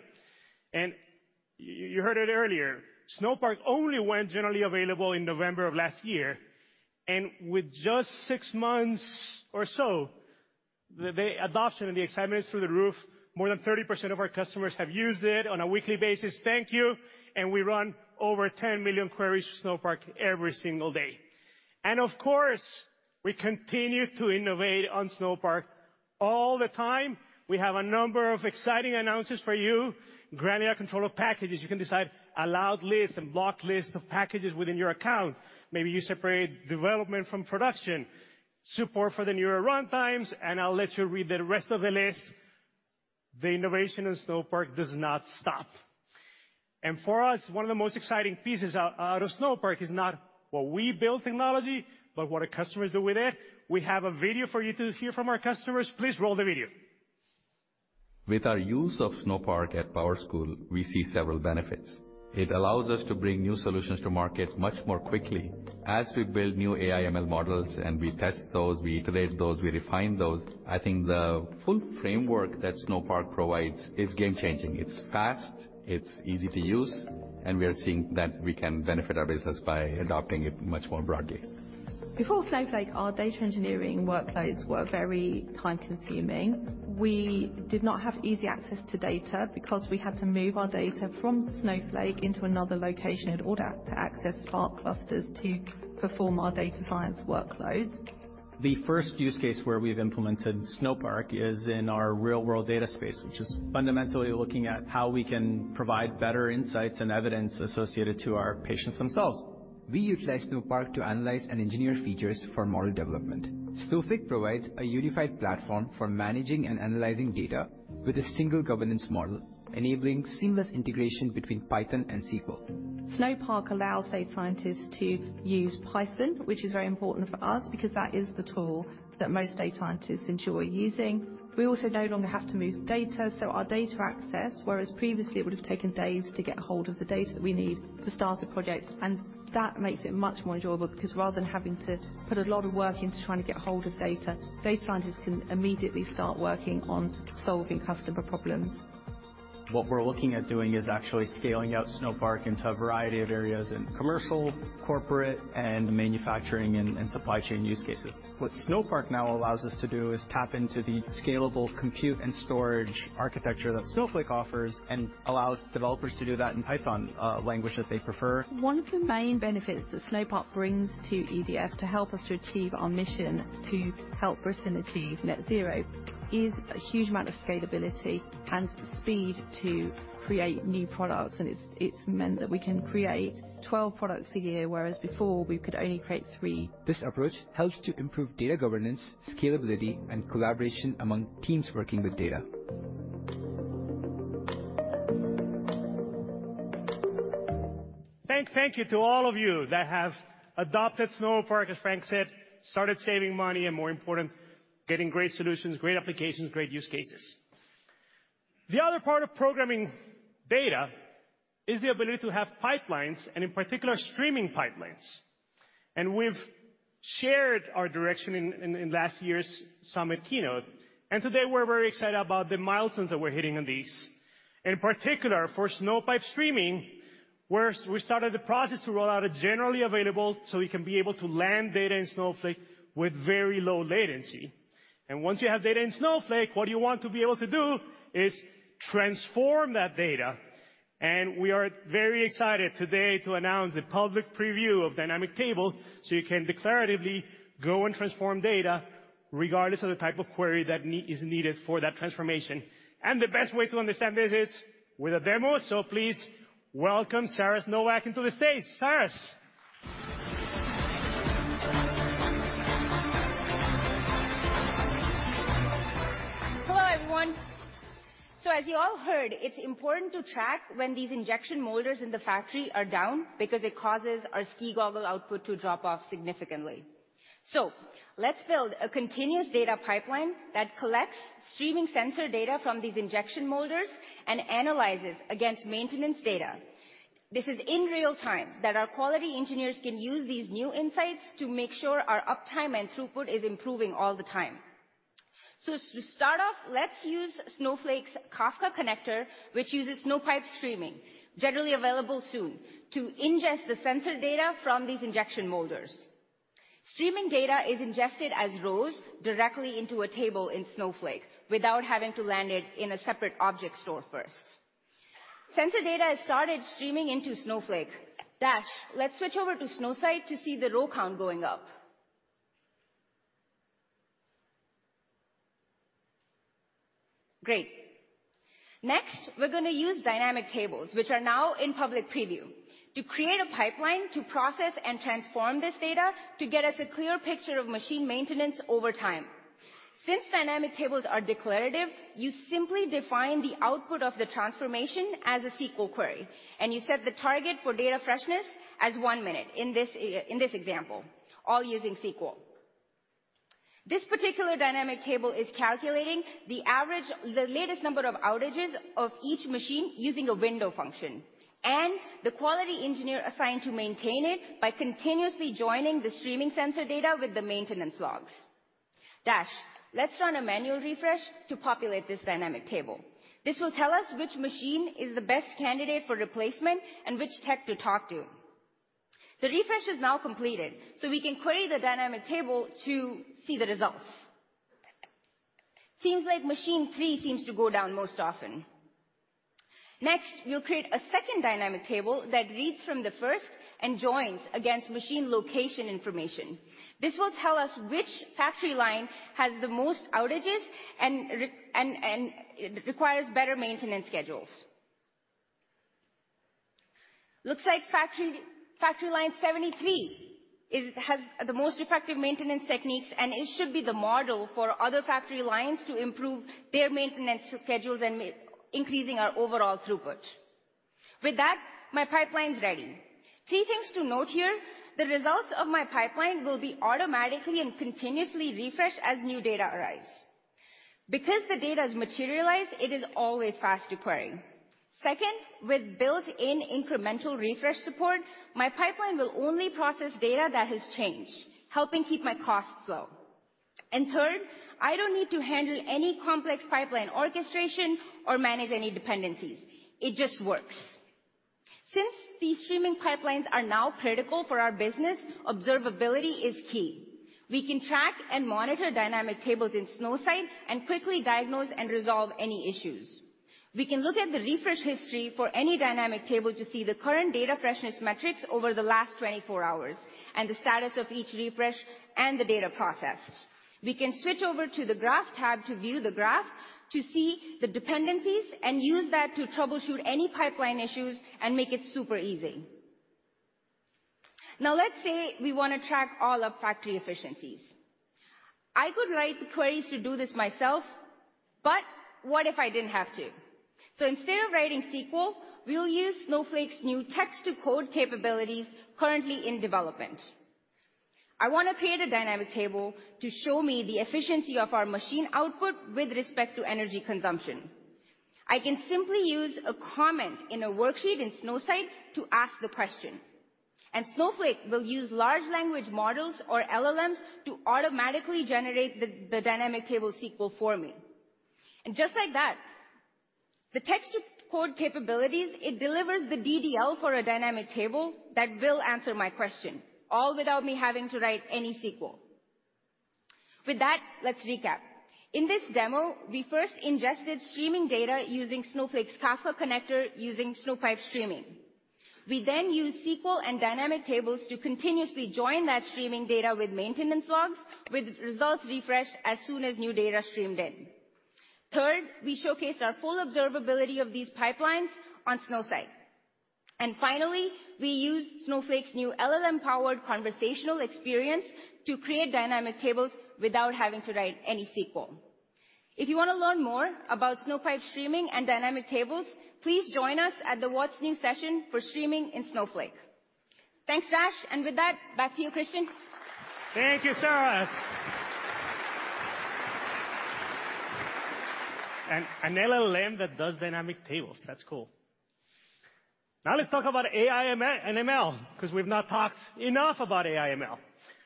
You heard it earlier, Snowpark only went generally available in November of last year, and with just six months or so, the adoption and the excitement is through the roof. More than 30% of our customers have used it on a weekly basis. Thank you. We run over 10 million queries to Snowpark every single day. Of course, we continue to innovate on Snowpark all the time. We have a number of exciting announcements for you. Granular control of packages. You can decide allowed list and block list of packages within your account. Maybe you separate development from production, support for the newer runtimes, and I'll let you read the rest of the list. The innovation in Snowpark does not stop. For us, one of the most exciting pieces out of Snowpark is not what we build technology, but what our customers do with it. We have a video for you to hear from our customers. Please roll the video. With our use of Snowpark at PowerSchool, we see several benefits. It allows us to bring new solutions to market much more quickly. As we build new AI ML models, and we test those, we iterate those, we refine those, I think the full framework that Snowpark provides is game-changing. It's fast, it's easy to use, and we are seeing that we can benefit our business by adopting it much more broadly. Before Snowflake, our data engineering workloads were very time-consuming. We did not have easy access to data because we had to move our data from Snowflake into another location in order to access Spark clusters to perform our data science workloads. The first use case where we've implemented Snowpark is in our real-world data space, which is fundamentally looking at how we can provide better insights and evidence associated to our patients themselves. We utilize Snowpark to analyze and engineer features for model development. Snowflake provides a unified platform for managing and analyzing data with a single governance model, enabling seamless integration between Python and SQL. Snowpark allows data scientists to use Python, which is very important for us because that is the tool that most data scientists enjoy using. We also no longer have to move data, so our data access, whereas previously it would have taken days to get a hold of the data that we need to start a project, and that makes it much more enjoyable, because rather than having to put a lot of work into trying to get a hold of data scientists can immediately start working on solving customer problems. What we're looking at doing is actually scaling out Snowpark into a variety of areas in commercial, corporate, and manufacturing and supply chain use cases. What Snowpark now allows us to do is tap into the scalable compute and storage architecture that Snowflake offers, and allow developers to do that in Python, language that they prefer. One of the main benefits that Snowpark brings to EDF to help us to achieve our mission to help Britain achieve net zero is a huge amount of scalability and speed to create new products. It's meant that we can create 12 products a year, whereas before we could only create three. This approach helps to improve data governance, scalability, and collaboration among teams working with data. Thank you to all of you that have adopted Snowpark, as Frank said, started saving money. More important, getting great solutions, great applications, great use cases. The other part of programming data is the ability to have pipelines. In particular, streaming pipelines. We've shared our direction in last year's Summit keynote. Today we're very excited about the milestones that we're hitting on these. In particular, for Snowpipe Streaming, we started the process to roll out a generally available, so we can be able to land data in Snowflake with very low latency. Once you have data in Snowflake, what you want to be able to do is transform that data. We are very excited today to announce the public preview of Dynamic Tables, so you can declaratively go and transform data regardless of the type of query that is needed for that transformation. The best way to understand this is with a demo, so please welcome Saras Nowak to the stage. Saras! Hello, everyone. As you all heard, it's important to track when these injection molders in the factory are down, because it causes our ski goggle output to drop off significantly. Let's build a continuous data pipeline that collects streaming sensor data from these injection molders and analyzes against maintenance data. This is in real time, that our quality engineers can use these new insights to make sure our uptime and throughput is improving all the time. To start off, let's use Snowflake's Kafka connector, which uses Snowpipe Streaming, generally available soon, to ingest the sensor data from these injection molders. Streaming data is ingested as rows directly into a table in Snowflake without having to land it in a separate object store first. Sensor data has started streaming into Snowflake. Dash, let's switch over to Snowsight to see the row count going up. Great. Next, we're going to use Dynamic Tables, which are now in public preview, to create a pipeline to process and transform this data to get us a clear picture of machine maintenance over time. Since Dynamic Tables are declarative, you simply define the output of the transformation as a SQL query, and you set the target for data freshness as one minute in this example, all using SQL. This particular Dynamic Table is calculating the latest number of outages of each machine using a window function, and the quality engineer assigned to maintain it by continuously joining the streaming sensor data with the maintenance logs. Dash, let's run a manual refresh to populate this Dynamic Table. This will tell us which machine is the best candidate for replacement and which tech to talk to. The refresh is now completed, so we can query the Dynamic Table to see the results. Seems like machine 3 seems to go down most often. Next, you'll create a second Dynamic Table that reads from the first and joins against machine location information. This will tell us which factory line has the most outages and requires better maintenance schedules. Looks like factory line 73 has the most effective maintenance techniques, and it should be the model for other factory lines to improve their maintenance schedules and increasing our overall throughput. With that, my pipeline's ready. three things to note here, the results of my pipeline will be automatically and continuously refreshed as new data arrives. Because the data is materialized, it is always fast to query. Second, with built-in incremental refresh support, my pipeline will only process data that has changed, helping keep my costs low. Third, I don't need to handle any complex pipeline orchestration or manage any dependencies. It just works. These streaming pipelines are now critical for our business, observability is key. We can track and monitor Dynamic Tables in Snowsight and quickly diagnose and resolve any issues. We can look at the refresh history for any Dynamic Table to see the current data freshness metrics over the last 24 hours, and the status of each refresh, and the data processed. We can switch over to the Graph tab to view the graph, to see the dependencies, and use that to troubleshoot any pipeline issues and make it super easy. Let's say we want to track all our factory efficiencies. I could write the queries to do this myself, but what if I didn't have to? Instead of writing SQL, we'll use Snowflake's new text-to-code capabilities currently in development. I want to create a Dynamic Table to show me the efficiency of our machine output with respect to energy consumption. I can simply use a comment in a worksheet in Snowsight to ask the question, and Snowflake will use large language models, or LLMs, to automatically generate the Dynamic Table SQL for me. Just like that, the text-to-code capabilities, it delivers the DDL for a Dynamic Table that will answer my question, all without me having to write any SQL. With that, let's recap. In this demo, we first ingested streaming data using Snowflake's Kafka connector, using Snowpipe Streaming. We used SQL and Dynamic Tables to continuously join that streaming data with maintenance logs, with results refreshed as soon as new data streamed in. Third, we showcased our full observability of these pipelines on Snowsight. Finally, we used Snowflake's new LLM-powered conversational experience to create Dynamic Tables without having to write any SQL. If you want to learn more about Snowpipe Streaming and Dynamic Tables, please join us at the What's New session for streaming in Snowflake. Thanks, Dash. With that, back to you, Christian. Thank you, Saras. An LLM that does Dynamic Tables, that's cool. Now let's talk about AI and ML, 'cause we've not talked enough about AI/ML.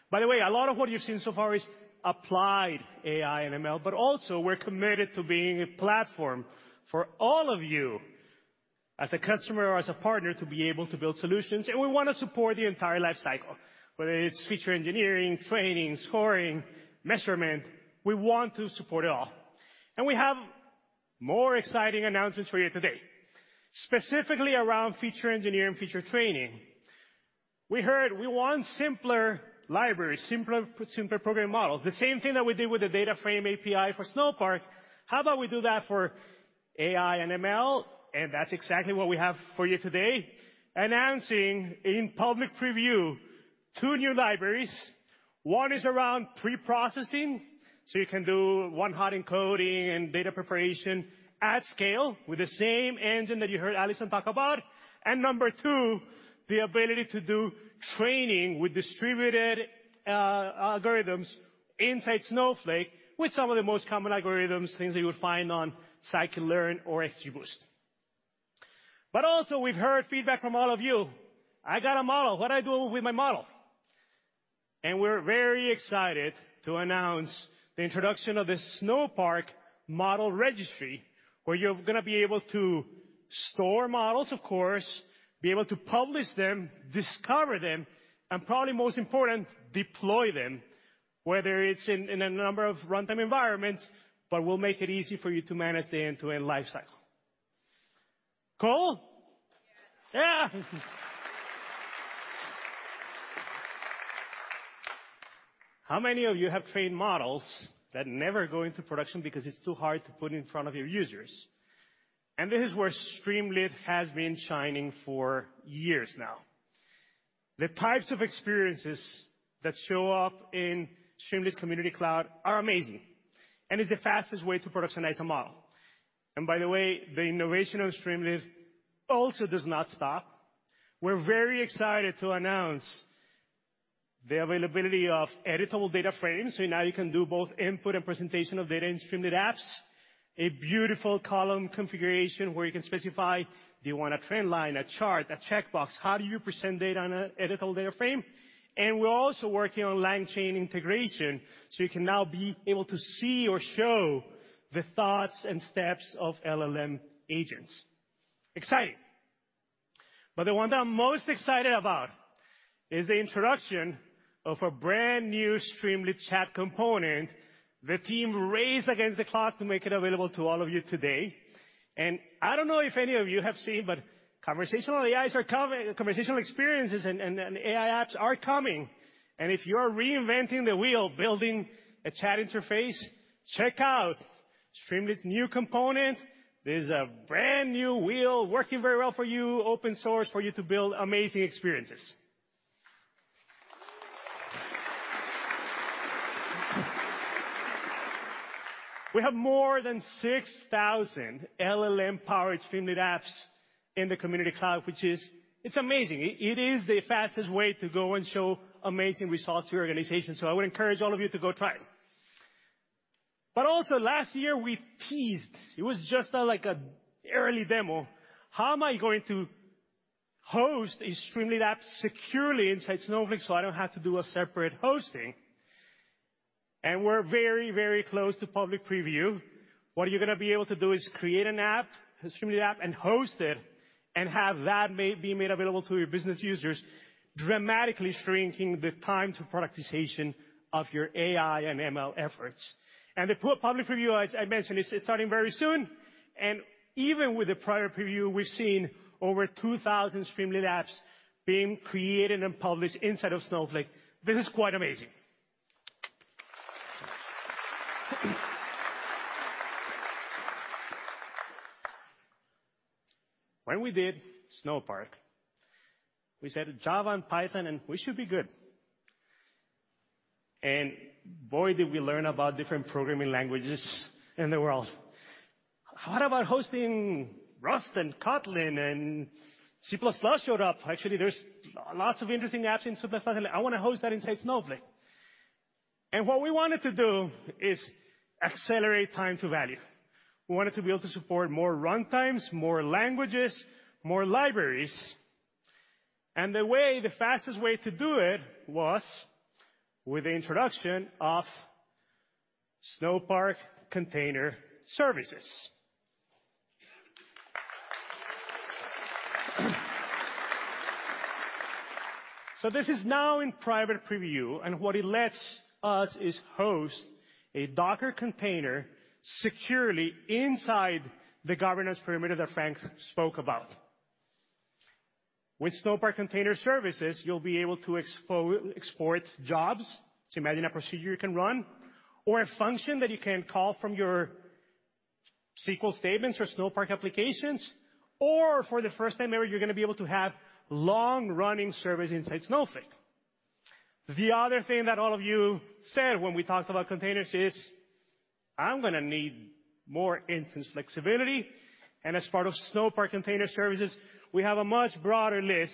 By the way, a lot of what you've seen so far is applied AI and ML, but also we're committed to being a platform for all of you as a customer or as a partner, to be able to build solutions. We want to support the entire life cycle, whether it's feature engineering, training, scoring, measurement, we want to support it all. We have more exciting announcements for you today, specifically around feature engineering, feature training. We heard we want simpler libraries, simpler program models. The same thing that we did with the DataFrame API for Snowpark, how about we do that for AI and ML? That's exactly what we have for you today. Announcing in public preview two new libraries. One is around pre-processing, so you can do one-hot encoding and data preparation at scale with the same engine that you heard Allison talk about. Number two, the ability to do training with distributed algorithms inside Snowflake, with some of the most common algorithms, things that you would find on scikit-learn or XGBoost. Also, we've heard feedback from all of you. "I got a model. What I do with my model?" We're very excited to announce the introduction of the Snowpark Model Registry, where you're gonna be able to store models, of course, be able to publish them, discover them, and probably most important, deploy them, whether it's in a number of runtime environments, but we'll make it easy for you to manage the end-to-end life cycle. Cool? Yeah. How many of you have trained models that never go into production because it's too hard to put in front of your users? This is where Streamlit has been shining for years now. The types of experiences that show up in Streamlit's community cloud are amazing, and it's the fastest way to productionize a model. By the way, the innovation on Streamlit also does not stop. We're very excited to announce the availability of editable data frames. Now you can do both input and presentation of data in Streamlit apps. A beautiful column configuration, where you can specify, do you want a trend line, a chart, a checkbox? How do you present data on a editable data frame? We're also working on LangChain integration, so you can now be able to see or show the thoughts and steps of LLM agents. Exciting. The one that I'm most excited about is the introduction of a brand-new Streamlit chat component. The team raced against the clock to make it available to all of you today. I don't know if any of you have seen, but conversational AIs are coming. Conversational experiences and AI apps are coming, and if you're reinventing the wheel, building a chat interface, check out Streamlit's new component. There's a brand-new wheel working very well for you, open source, for you to build amazing experiences. We have more than 6,000 LLM-powered Streamlit apps in the community cloud. It's amazing. It is the fastest way to go and show amazing results to your organization. I would encourage all of you to go try it. Last year, we teased, it was just, like a early demo, how am I going to host a Streamlit app securely inside Snowflake so I don't have to do a separate hosting? We're very, very close to public preview. What you're going to be able to do is create an app, a Streamlit app, and host it, and have that be made available to your business users, dramatically shrinking the time to productization of your AI and ML efforts. The public preview, as I mentioned, is starting very soon, and even with the private preview, we've seen over 2,000 Streamlit apps being created and published inside of Snowflake. This is quite amazing. When we did Snowpark, we said, "Java and Python, and we should be good." Boy, did we learn about different programming languages in the world. What about hosting Rust and Kotlin, and C++ showed up? Actually, there's lots of interesting apps in Superfast. I wanna host that inside Snowflake. What we wanted to do is accelerate time to value. We wanted to be able to support more runtimes, more languages, more libraries, and the way, the fastest way to do it was with the introduction of Snowpark Container Services. This is now in private preview, and what it lets us is host a Docker container securely inside the governance perimeter that Frank spoke about. With Snowpark Container Services, you'll be able to export jobs. Imagine a procedure you can run or a function that you can call from your SQL statements or Snowpark applications, or for the first time ever, you're going to be able to have long-running service inside Snowflake. The other thing that all of you said when we talked about containers is, "I'm going to need more instance flexibility." As part of Snowpark Container Services, we have a much broader list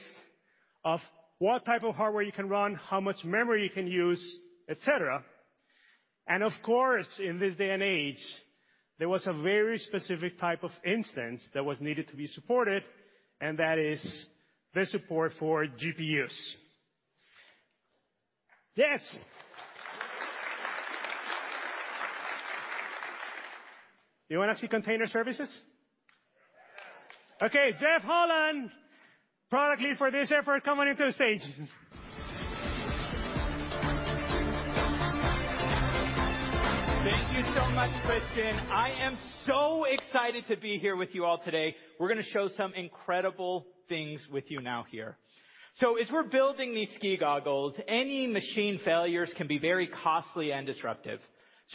of what type of hardware you can run, how much memory you can use, et cetera. Of course, in this day and age, there was a very specific type of instance that was needed to be supported, and that is the support for GPUs. Yes! You want to see Container Services? Yes. Okay, Jeff Hollan, product lead for this effort, come on into the stage. Thank you so much, Christian. I am so excited to be here with you all today. We're going to show some incredible things with you now here. As we're building these ski goggles, any machine failures can be very costly and disruptive.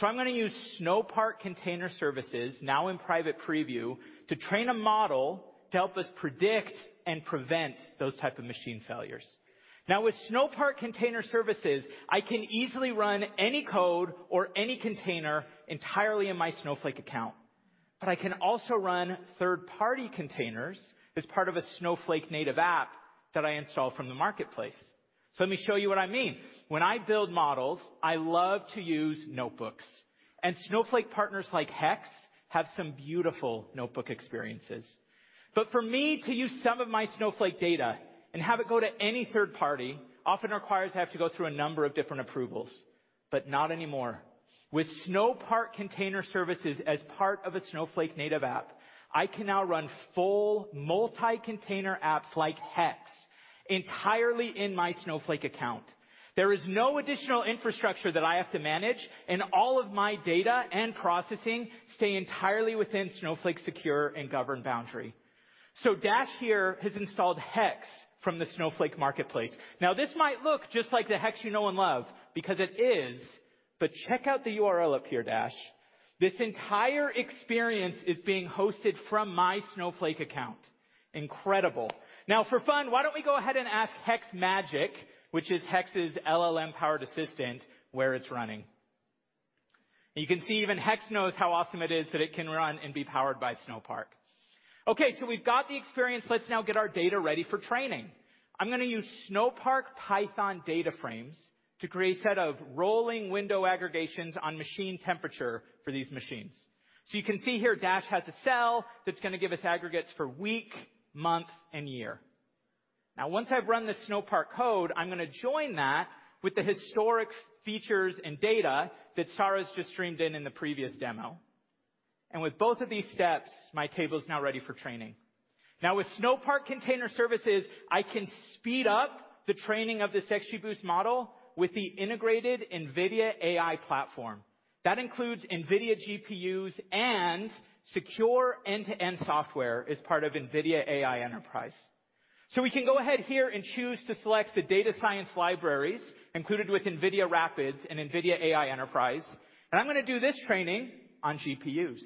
I'm going to use Snowpark Container Services, now in private preview, to train a model to help us predict and prevent those type of machine failures. Now, with Snowpark Container Services, I can easily run any code or any container entirely in my Snowflake account, but I can also run third-party containers as part of a Snowflake Native App that I installed from the Marketplace. Let me show you what I mean. When I build models, I love to use notebooks, and Snowflake partners like Hex, have some beautiful notebook experiences. For me to use some of my Snowflake data and have it go to any third party, often requires I have to go through a number of different approvals, but not anymore. With Snowpark Container Services as part of a Snowflake Native App, I can now run full multi-container apps like Hex entirely in my Snowflake account. There is no additional infrastructure that I have to manage, and all of my data and processing stay entirely within Snowflake's secure and governed boundary. Dash here has installed Hex from the Snowflake Marketplace. This might look just like the Hex you know and love, because it is, but check out the URL up here, Dash. This entire experience is being hosted from my Snowflake account. Incredible. For fun, why don't we go ahead and ask Hex Magic, which is Hex's LLM-powered assistant, where it's running. You can see even Hex knows how awesome it is that it can run and be powered by Snowpark. We've got the experience. Let's now get our data ready for training. I'm going to use Snowpark Python DataFrames to create a set of rolling window aggregations on machine temperature for these machines. You can see here, Dash has a cell that's going to give us aggregates for week, month, and year. Once I've run this Snowpark code, I'm going to join that with the historic features and data that Sarah's just streamed in in the previous demo. With both of these steps, my table is now ready for training. With Snowpark Container Services, I can speed up the training of this XGBoost model with the integrated NVIDIA AI platform. That includes NVIDIA GPUs and secure end-to-end software as part of NVIDIA AI Enterprise. We can go ahead here and choose to select the data science libraries included with NVIDIA RAPIDS and NVIDIA AI Enterprise, and I'm going to do this training on GPUs.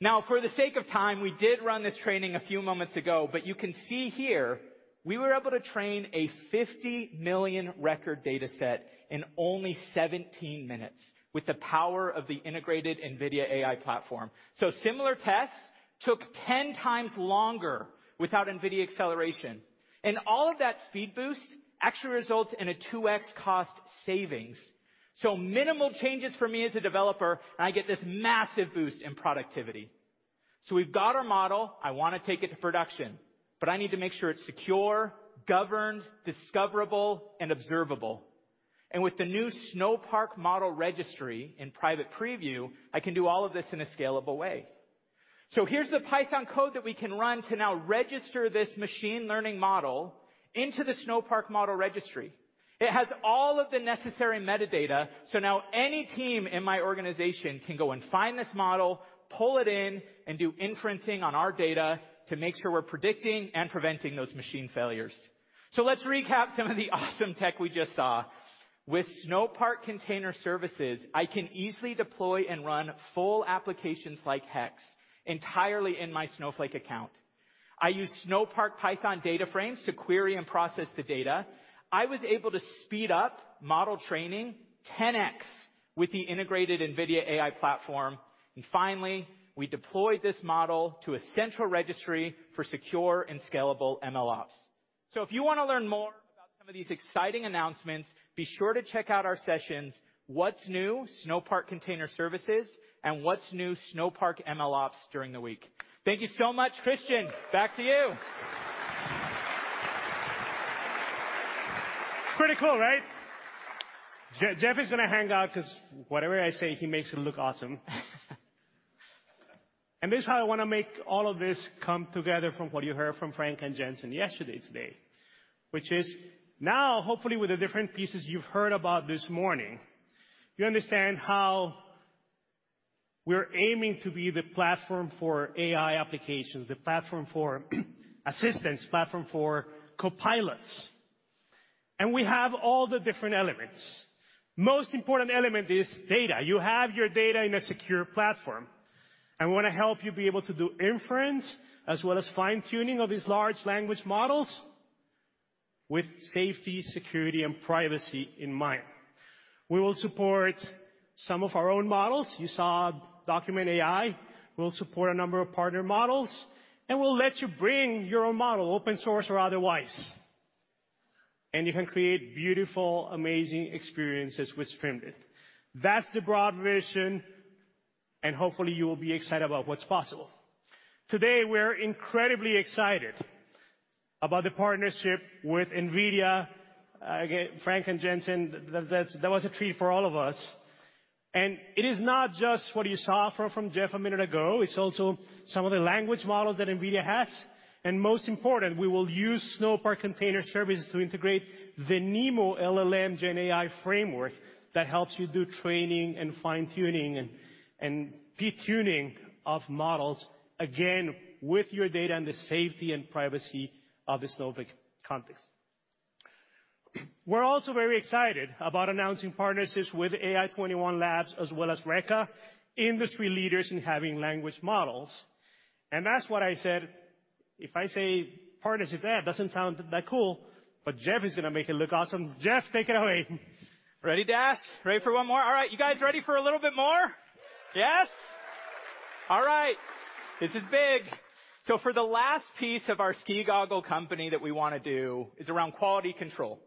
Now, for the sake of time, we did run this training a few moments ago, but you can see here we were able to train a 50 million record data set in only 17 minutes with the power of the integrated NVIDIA AI platform. Similar tests took 10 times longer without NVIDIA acceleration, and all of that speed boost actually results in a 2x cost savings. Minimal changes for me as a developer, and I get this massive boost in productivity. We've got our model, I want to take it to production, but I need to make sure it's secure, governed, discoverable, and observable. With the new Snowpark Model Registry in private preview, I can do all of this in a scalable way. Here's the Python code that we can run to now register this machine learning model into the Snowpark Model Registry. It has all of the necessary metadata, so now any team in my organization can go and find this model, pull it in, and do inferencing on our data to make sure we're predicting and preventing those machine failures. Let's recap some of the awesome tech we just saw. With Snowpark Container Services, I can easily deploy and run full applications like Hex entirely in my Snowflake account. I use Snowpark Python Data Frames to query and process the data. I was able to speed up model training 10x with the integrated NVIDIA AI platform. Finally, we deployed this model to a central registry for secure and scalable MLOps. If you want to learn more about some of these exciting announcements, be sure to check out our sessions, What's New: Snowpark Container Services, and What's New: Snowpark MLOps during the week. Thank you so much, Christian. Back to you. Pretty cool, right? Jeff is going to hang out because whatever I say, he makes it look awesome. This is how I want to make all of this come together from what you heard from Frank and Jensen yesterday, today, which is now hopefully with the different pieces you've heard about this morning, you understand how we're aiming to be the platform for AI applications, the platform for assistance, platform for copilots, and we have all the different elements. Most important element is data. You have your data in a secure platform, and we want to help you be able to do inference as well as fine-tuning of these large language models with safety, security, and privacy in mind. We will support some of our own models. You saw Document AI. We'll support a number of partner models, and we'll let you bring your own model, open source or otherwise, and you can create beautiful, amazing experiences with Streamlit. That's the broad vision, and hopefully, you will be excited about what's possible. Today, we're incredibly excited about the partnership with NVIDIA. Again, Frank and Jensen, that was a treat for all of us. It is not just what you saw from Jeff a minute ago, it's also some of the language models that NVIDIA has. Most important, we will use Snowpark Container Services to integrate the NeMo LLM GenAI framework that helps you do training and fine-tuning and detuning of models, again, with your data and the safety and privacy of the Snowflake context. We're also very excited about announcing partnerships with AI21labs as well as Reka, industry leaders in having language models. That's what I said. If I say partnership, that doesn't sound that cool, but Jeff is going to make it look awesome. Jeff, take it away. Ready, Dash? Ready for one more? All right, you guys ready for a little bit more? Yes. All right, this is big. For the last piece of our Ski Gear Co that we want to do is around quality control.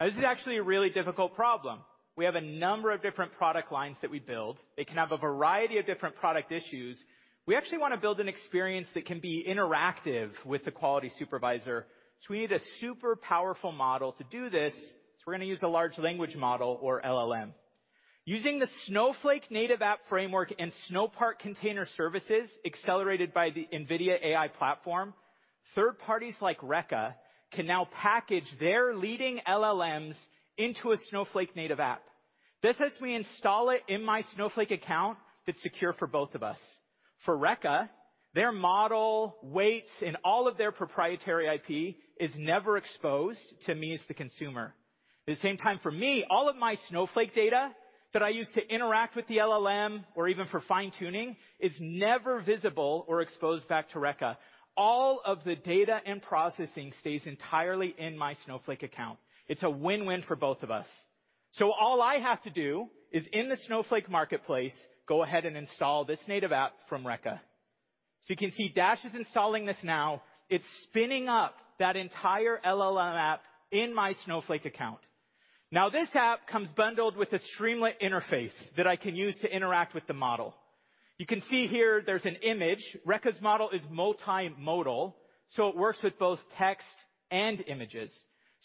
Now, this is actually a really difficult problem. We have a number of different product lines that we build. It can have a variety of different product issues. We actually want to build an experience that can be interactive with the quality supervisor, so we need a super powerful model to do this. We're going to use a large language model or LLM. Using the Snowflake Native App Framework and Snowpark Container Services, accelerated by the NVIDIA AI platform, third parties like Reka can now package their leading LLMs into a Snowflake Native App. This lets me install it in my Snowflake account that's secure for both of us. For Reka, their model, weights, and all of their proprietary IP is never exposed to me as the consumer. At the same time, for me, all of my Snowflake data that I use to interact with the LLM or even for fine-tuning, is never visible or exposed back to Reka. All of the data and processing stays entirely in my Snowflake account. It's a win-win for both of us. All I have to do is in the Snowflake Marketplace, go ahead and install this native app from Reka. You can see Dash is installing this now. It's spinning up that entire LLM app in my Snowflake account. This app comes bundled with a Streamlit interface that I can use to interact with the model. You can see here there's an image. Reka's model is multimodal, it works with both text and images.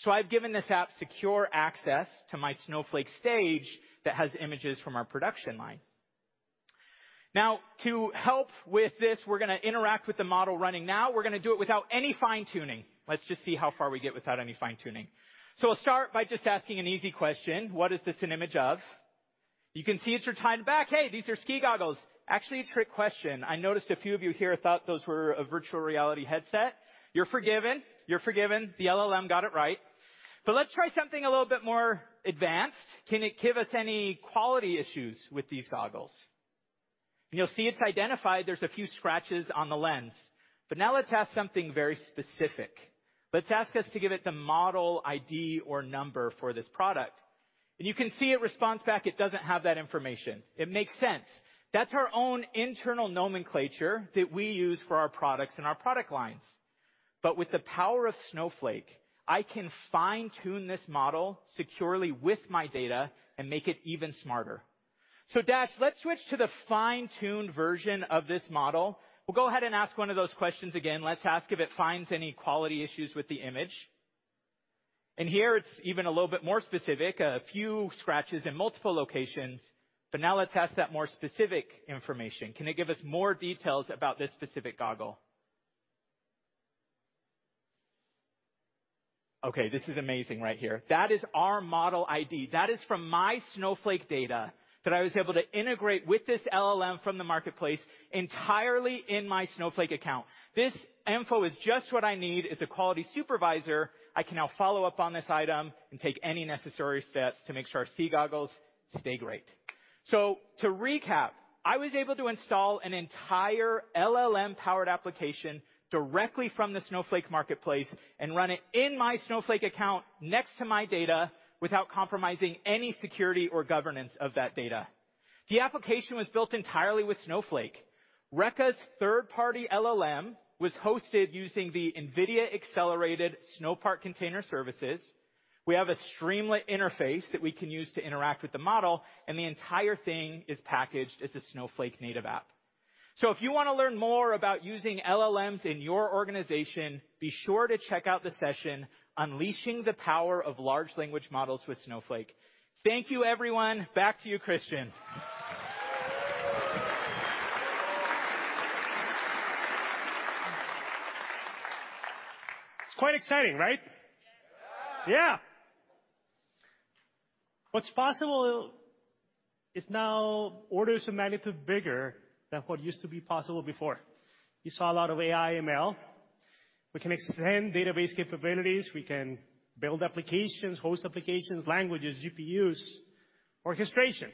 I've given this app secure access to my Snowflake stage that has images from our production line. Now, to help with this, we're going to interact with the model running now. We're going to do it without any fine-tuning. Let's just see how far we get without any fine-tuning. We'll start by just asking an easy question: What is this an image of? You can see it's your time back. Hey, these are ski goggles. Actually, a trick question. I noticed a few of you here thought those were a virtual reality headset. You're forgiven. You're forgiven. The LLM got it right, but let's try something a little bit more advanced. Can it give us any quality issues with these goggles? You'll see it's identified there's a few scratches on the lens. Now let's ask something very specific. Let's ask us to give it the model ID or number for this product. You can see it responds back, it doesn't have that information. It makes sense. That's our own internal nomenclature that we use for our products and our product lines. With the power of Snowflake, I can fine-tune this model securely with my data and make it even smarter. Dash, let's switch to the fine-tuned version of this model. We'll go ahead and ask one of those questions again. Let's ask if it finds any quality issues with the image. Here it's even a little bit more specific, a few scratches in multiple locations. Now let's ask that more specific information. Can it give us more details about this specific goggle? This is amazing right here. That is our model ID. That is from my Snowflake data that I was able to integrate with this LLM from the Snowflake Marketplace entirely in my Snowflake account. This info is just what I need as a quality supervisor. I can now follow up on this item and take any necessary steps to make sure our ski goggles stay great. To recap, I was able to install an entire LLM-powered application directly from the Snowflake Marketplace and run it in my Snowflake account next to my data, without compromising any security or governance of that data. The application was built entirely with Snowflake. Reka's third-party LLM was hosted using the NVIDIA-accelerated Snowpark Container Services. We have a Streamlit interface that we can use to interact with the model, and the entire thing is packaged as a Snowflake Native App. If you want to learn more about using LLMs in your organization, be sure to check out the session, "Unleashing the Power of Large Language Models with Snowflake." Thank you, everyone. Back to you, Christian. It's quite exciting, right? Yeah. Yeah! What's possible is now orders of magnitude bigger than what used to be possible before. You saw a lot of AI, ML. We can extend database capabilities, we can build applications, host applications, languages, GPUs, orchestration.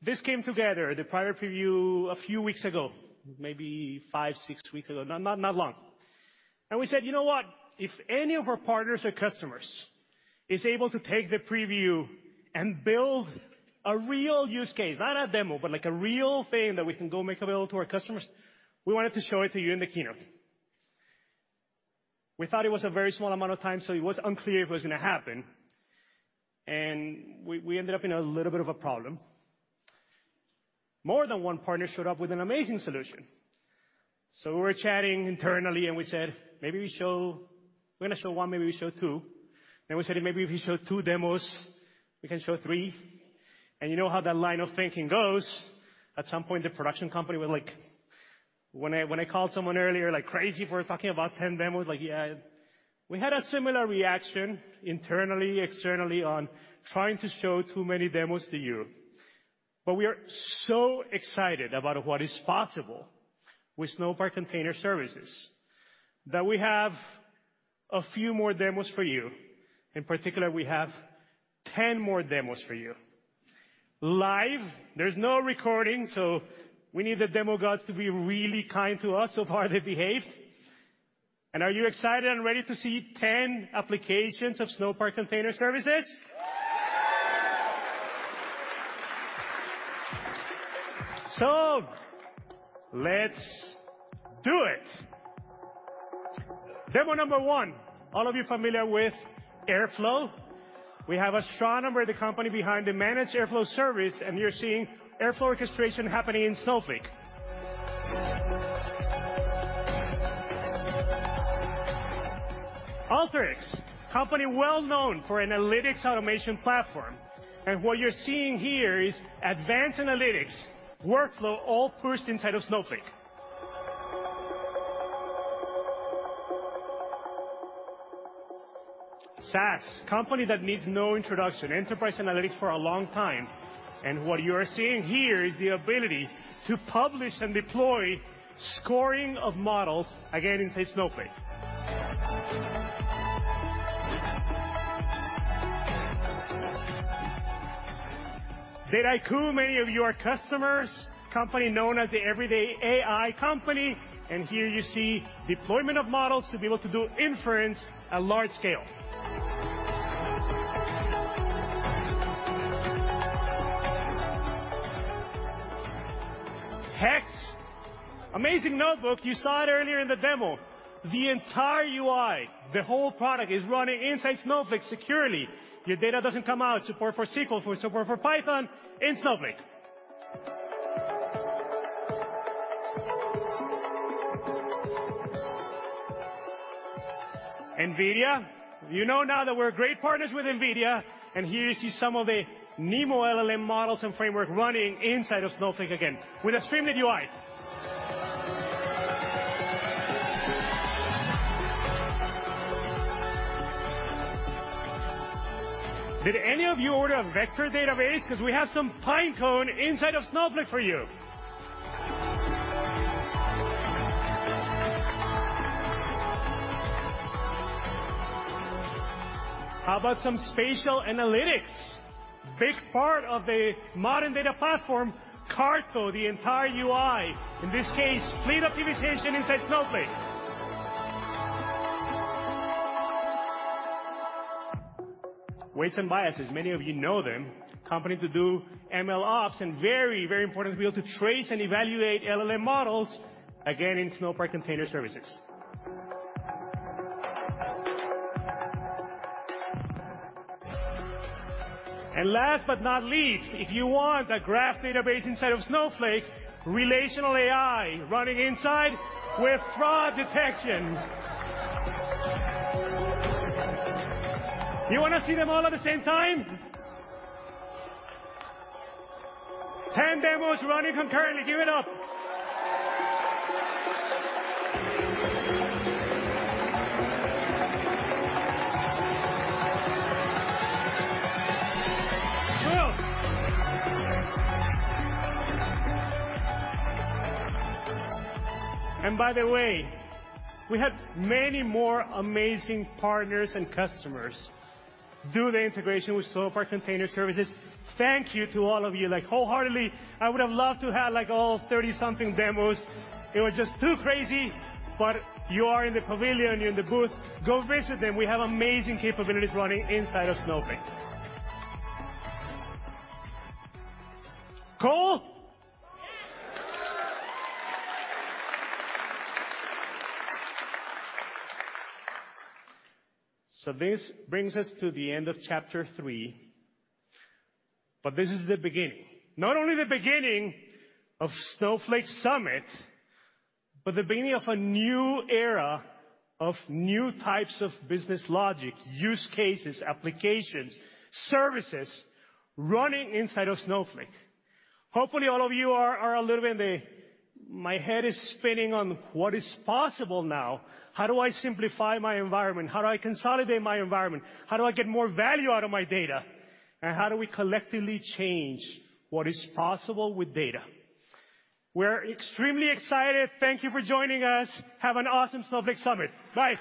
This came together, the private preview, a few weeks ago, maybe 5, 6 weeks ago, not long. We said, "You know what? If any of our partners or customers is able to take the preview and build a real use case, not a demo, but like a real thing that we can go make available to our customers, we wanted to show it to you in the keynote." We thought it was a very small amount of time, so it was unclear if it was going to happen, and we ended up in a little bit of a problem. More than one partner showed up with an amazing solution. We were chatting internally, and we said, "Maybe we're going to show one, maybe we show two." We said, "Maybe if we show two demos, we can show three." You know how that line of thinking goes. At some point, the production company was like, "When I called someone earlier, like, crazy for talking about 10 demos," like, yeah. We had a similar reaction internally, externally, on trying to show too many demos to you. We are so excited about what is possible with Snowpark Container Services, that we have a few more demos for you. In particular, we have 10 more demos for you. Live, there's no recording, so we need the demo gods to be really kind to us. Far, they behaved. Are you excited and ready to see 10 applications of Snowpark Container Services? Let's do it. Demo number one. All of you familiar with Airflow? We have Astronomer, the company behind the Managed Airflow service, and you're seeing Airflow orchestration happening in Snowflake. Alteryx, company well known for analytics automation platform, and what you're seeing here is advanced analytics, workflow, all pushed inside of Snowflake. SAS, company that needs no introduction, enterprise analytics for a long time, and what you are seeing here is the ability to publish and deploy scoring of models again, inside Snowflake. Dataiku, many of you are customers. Company known as the everyday AI company, and here you see deployment of models to be able to do inference at large scale. Hex, amazing notebook. You saw it earlier in the demo. The entire UI, the whole product, is running inside Snowflake securely. Your data doesn't come out. Support for SQL, for support for Python in Snowflake. NVIDIA. You know now that we're great partners with NVIDIA, here you see some of the NeMo LLM models and framework running inside of Snowflake again, with a Streamlit UI. Did any of you order a vector database? We have some Pinecone inside of Snowflake for you. How about some spatial analytics? Big part of the modern data platform, CARTO, the entire UI, in this case, fleet optimization inside Snowflake. Weights & Biases, many of you know them, company to do MLOps, very, very important to be able to trace and evaluate LLM models, again, in Snowflake Container Services. Last but not least, if you want a graph database inside of Snowflake, RelationalAI running inside with fraud detection. You want to see them all at the same time? 10 demos running concurrently. Give it up. By the way, we have many more amazing partners and customers do the integration with Snowpark Container Services. Thank you to all of you. Like, wholeheartedly, I would have loved to have, like, all 30-something demos. It was just too crazy, but you are in the pavilion, you're in the booth. Go visit them. We have amazing capabilities running inside of Snowflake. Cool? This brings us to the end of chapter three, but this is the beginning. Not only the beginning of Snowflake Summit, but the beginning of a new era of new types of business logic, use cases, applications, services, running inside of Snowflake. Hopefully, all of you are a little bit in the, "My head is spinning on what is possible now. How do I simplify my environment? How do I consolidate my environment? How do I get more value out of my data? How do we collectively change what is possible with data?" We're extremely excited. Thank you for joining us. Have an awesome Snowflake Summit. Bye!